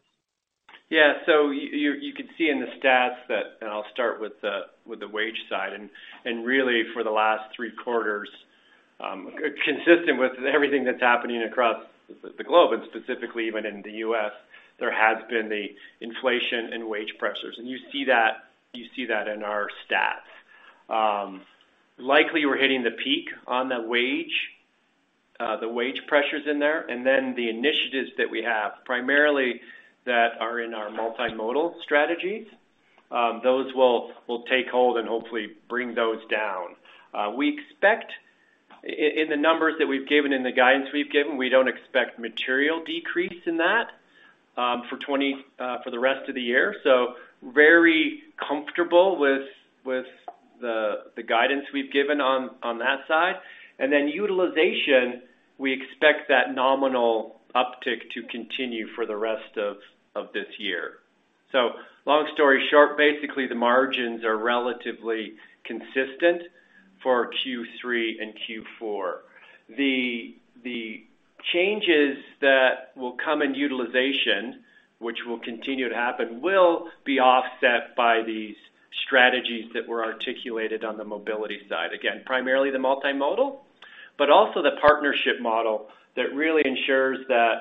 Yeah. You could see in the stats that, I'll start with the wage side. Really, for the last three quarters, consistent with everything that's happening across the globe and specifically even in the US, there has been inflation and wage pressures. You see that in our stats. Likely we're hitting the peak on the wage pressures. Then the initiatives that we have primarily that are in our multimodal strategies, those will take hold and hopefully bring those down. We expect in the numbers that we've given and the guidance we've given, we don't expect material decrease in that for the rest of the year. Very comfortable with the guidance we've given on that side. Utilization, we expect that nominal uptick to continue for the rest of this year. Long story short, basically the margins are relatively consistent for Q3 and Q4. The changes that will come in utilization, which will continue to happen, will be offset by these strategies that were articulated on the mobility side, again, primarily the multimodal, but also the partnership model that really ensures that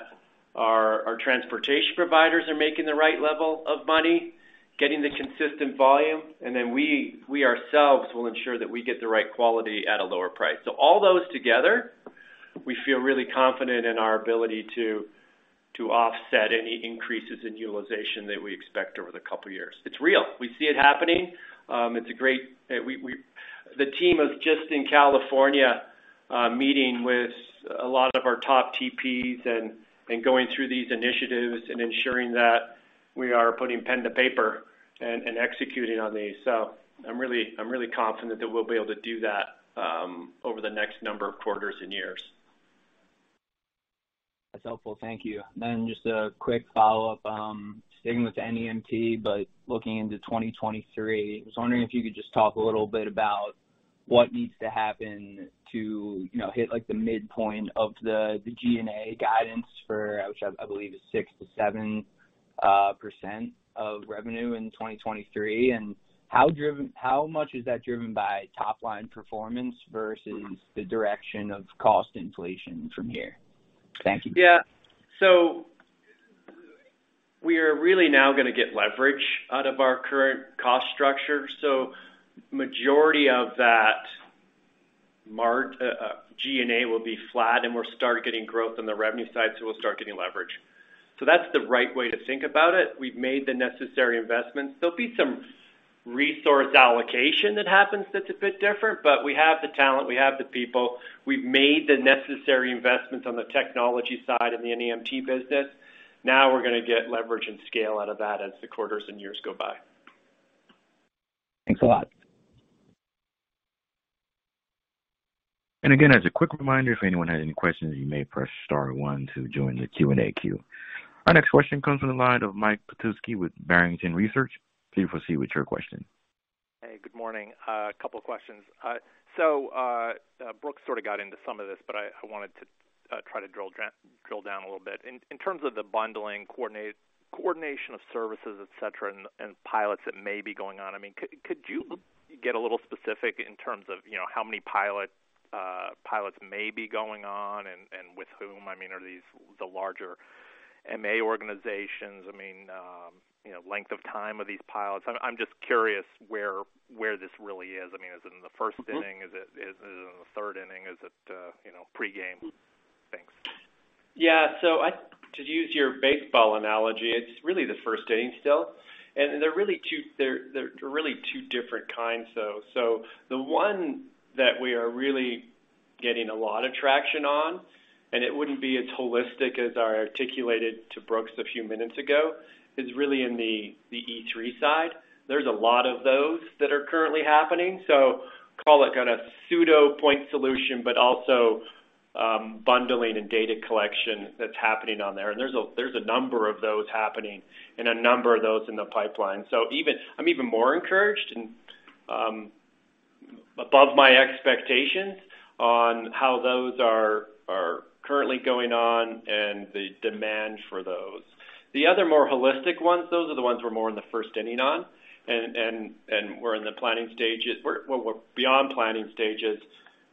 our transportation providers are making the right level of money, getting the consistent volume, and then we ourselves will ensure that we get the right quality at a lower price. All those together, we feel really confident in our ability to offset any increases in utilization that we expect over the couple of years. It's real. We see it happening. It's a great. The team is just in California, meeting with a lot of our top TPs and going through these initiatives and ensuring that we are putting pen to paper and executing on these. I'm really confident that we'll be able to do that over the next number of quarters and years. That's helpful. Thank you. Just a quick follow-up, staying with NEMT, but looking into 2023. I was wondering if you could just talk a little bit about what needs to happen to, you know, hit like the midpoint of the G&A guidance for, which I believe is 6%-7% of revenue in 2023. How much is that driven by top line performance versus the direction of cost inflation from here? Thank you. We are really now gonna get leverage out of our current cost structure. Majority of that G&A will be flat, and we'll start getting growth on the revenue side, so we'll start getting leverage. That's the right way to think about it. We've made the necessary investments. There'll be some resource allocation that happens that's a bit different, but we have the talent, we have the people. We've made the necessary investments on the technology side in the NEMT business. Now we're gonna get leverage and scale out of that as the quarters and years go by. Thanks a lot. Again, as a quick reminder, if anyone has any questions, you may press star one to join the Q&A queue. Our next question comes from the line of Mike Petusky with Barrington Research. Please proceed with your question. Hey, good morning. A couple of questions. Brooks sort of got into some of this, but I wanted to try to drill down a little bit. In terms of the bundling coordination of services, et cetera, and pilots that may be going on, I mean, could you get a little specific in terms of, you know, how many pilots may be going on and with whom? I mean, are these the larger? MA organizations, I mean, you know, length of time of these pilots? I'm just curious where this really is. I mean, is it in the first inning? Is it in the third inning? Is it, you know, pre-game? Thanks. Yeah. To use your baseball analogy, it's really the first inning still, and there are really two different kinds, though. The one that we are really getting a lot of traction on, and it wouldn't be as holistic as I articulated to Brooks a few minutes ago, is really in the E3 side. There's a lot of those that are currently happening. Call it kind of pseudo point solution, but also bundling and data collection that's happening on there. There's a number of those happening and a number of those in the pipeline. I'm even more encouraged and above my expectations on how those are currently going on and the demand for those. The other more holistic ones, those are the ones we're more in the first inning on and we're in the planning stages. We're beyond planning stages,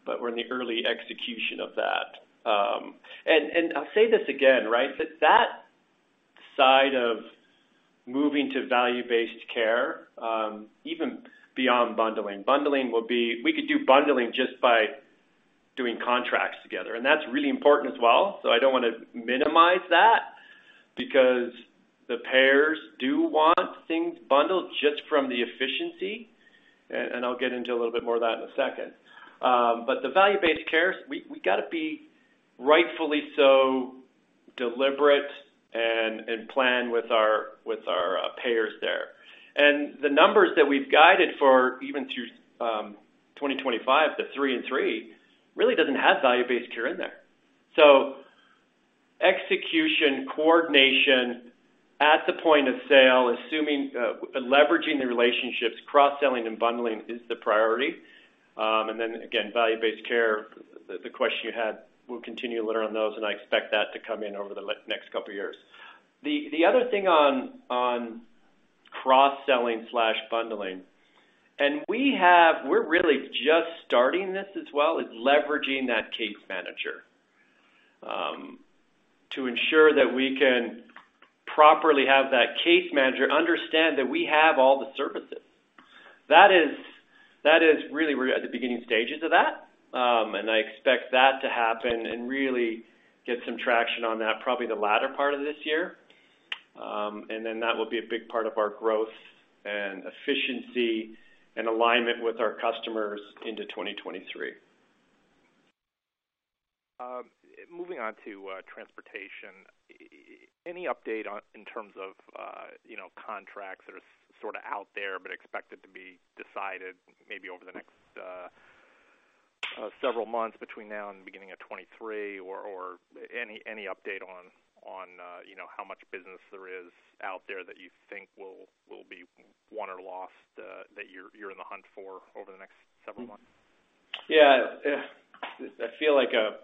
but we're in the early execution of that. I'll say this again, right? That side of moving to value-based care, even beyond bundling. Bundling will be. We could do bundling just by doing contracts together, and that's really important as well, so I don't wanna minimize that because the payers do want things bundled just from the efficiency, and I'll get into a little bit more of that in a second. The value-based care, we gotta be rightfully so deliberate and plan with our payers there. The numbers that we've guided for even through 2025, the three and three, really doesn't have value-based care in there. Execution, coordination at the point of sale, assuming leveraging the relationships, cross-selling and bundling is the priority. Then again, value-based care, the question you had, we'll continue to iterate on those, and I expect that to come in over the next couple of years. The other thing on cross-selling and bundling, and we have, we're really just starting this as well, is leveraging that case manager to ensure that we can properly have that case manager understand that we have all the services. That is really, we're at the beginning stages of that, and I expect that to happen and really get some traction on that probably the latter part of this year. That will be a big part of our growth and efficiency and alignment with our customers into 2023. Moving on to transportation. Any update on, in terms of, you know, contracts that are sort of out there but expected to be decided maybe over the next several months between now and the beginning of 2023 or any update on, you know, how much business there is out there that you think will be won or lost that you're in the hunt for over the next several months? Yeah. I feel like a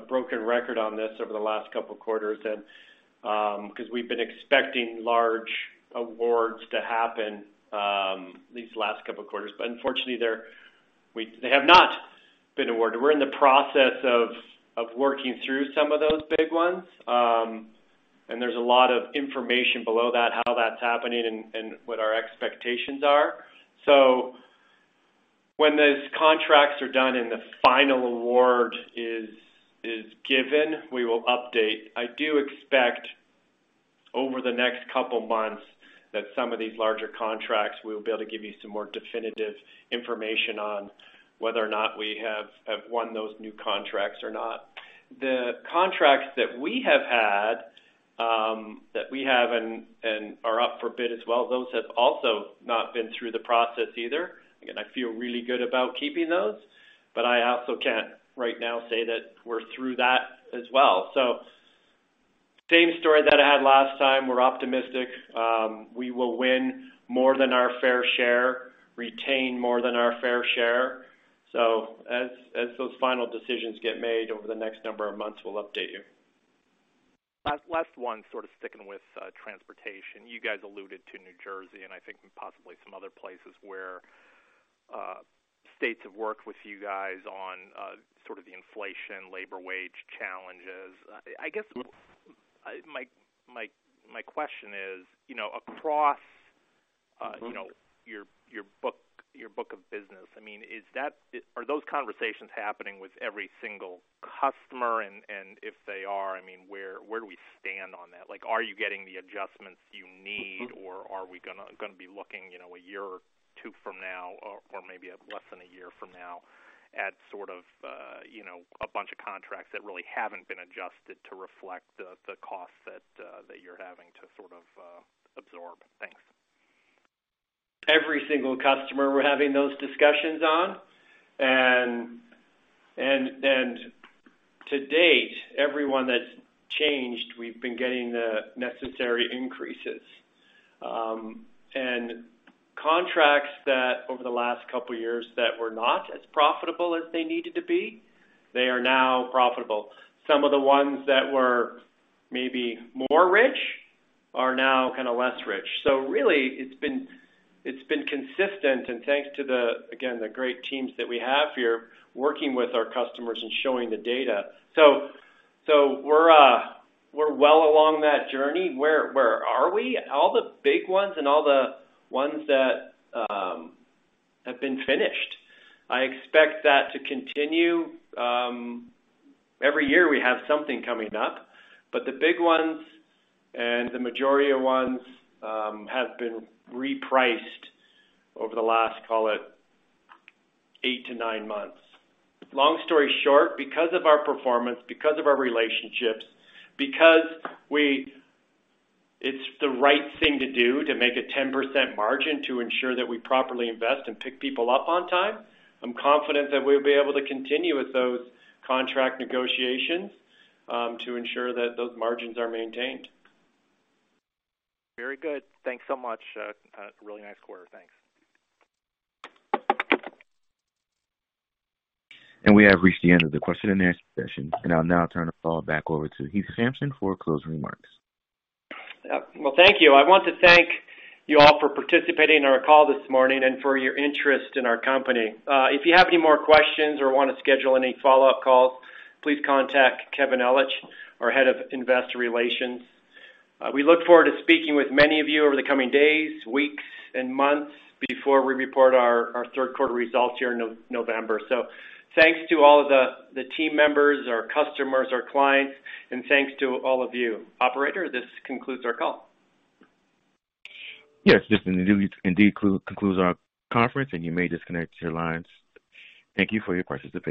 broken record on this over the last couple of quarters and 'cause we've been expecting large awards to happen these last couple of quarters, but unfortunately, they have not been awarded. We're in the process of working through some of those big ones. And there's a lot of information below that, how that's happening and what our expectations are. When those contracts are done and the final award is given, we will update. I do expect over the next couple months that some of these larger contracts, we'll be able to give you some more definitive information on whether or not we have won those new contracts or not. The contracts that we have and are up for bid as well, those have also not been through the process either. Again, I feel really good about keeping those, but I also can't right now say that we're through that as well. Same story that I had last time. We're optimistic. We will win more than our fair share, retain more than our fair share. As those final decisions get made over the next number of months, we'll update you. Last one, sort of sticking with transportation. You guys alluded to New Jersey, and I think possibly some other places where states have worked with you guys on sort of the inflation, labor wage challenges. I guess my question is, you know, across, you know, your book of business, I mean, are those conversations happening with every single customer? If they are, I mean, where do we stand on that? Like, are you getting the adjustments you need, or are we gonna be looking, you know, a year or two from now or maybe less than a year from now at sort of, you know, a bunch of contracts that really haven't been adjusted to reflect the cost that you're having to sort of absorb? Thanks. Every single customer we're having those discussions on. To date, everyone that's changed, we've been getting the necessary increases. Contracts that over the last couple years that were not as profitable as they needed to be, they are now profitable. Some of the ones that were maybe more rich are now kinda less rich. Really, it's been consistent, and thanks to the, again, the great teams that we have here working with our customers and showing the data. We're well along that journey. Where are we? All the big ones and all the ones that have been finished. I expect that to continue. Every year we have something coming up, but the big ones and the majority of ones have been repriced over the last, call it eight to nine months. Long story short, because of our performance, because of our relationships, because it's the right thing to do to make a 10% margin to ensure that we properly invest and pick people up on time, I'm confident that we'll be able to continue with those contract negotiations to ensure that those margins are maintained. Very good. Thanks so much. Really nice quarter. Thanks. We have reached the end of the question and answer session, and I'll now turn the call back over to Heath Sampson for closing remarks. Well, thank you. I want to thank you all for participating in our call this morning and for your interest in our company. If you have any more questions or want to schedule any follow-up calls, please contact Kevin Ellich, our Head of Investor Relations. We look forward to speaking with many of you over the coming days, weeks, and months before we report our third quarter results here in November. Thanks to all of the team members, our customers, our clients, and thanks to all of you. Operator, this concludes our call. Yes, this indeed concludes our conference, and you may disconnect your lines. Thank you for your participation.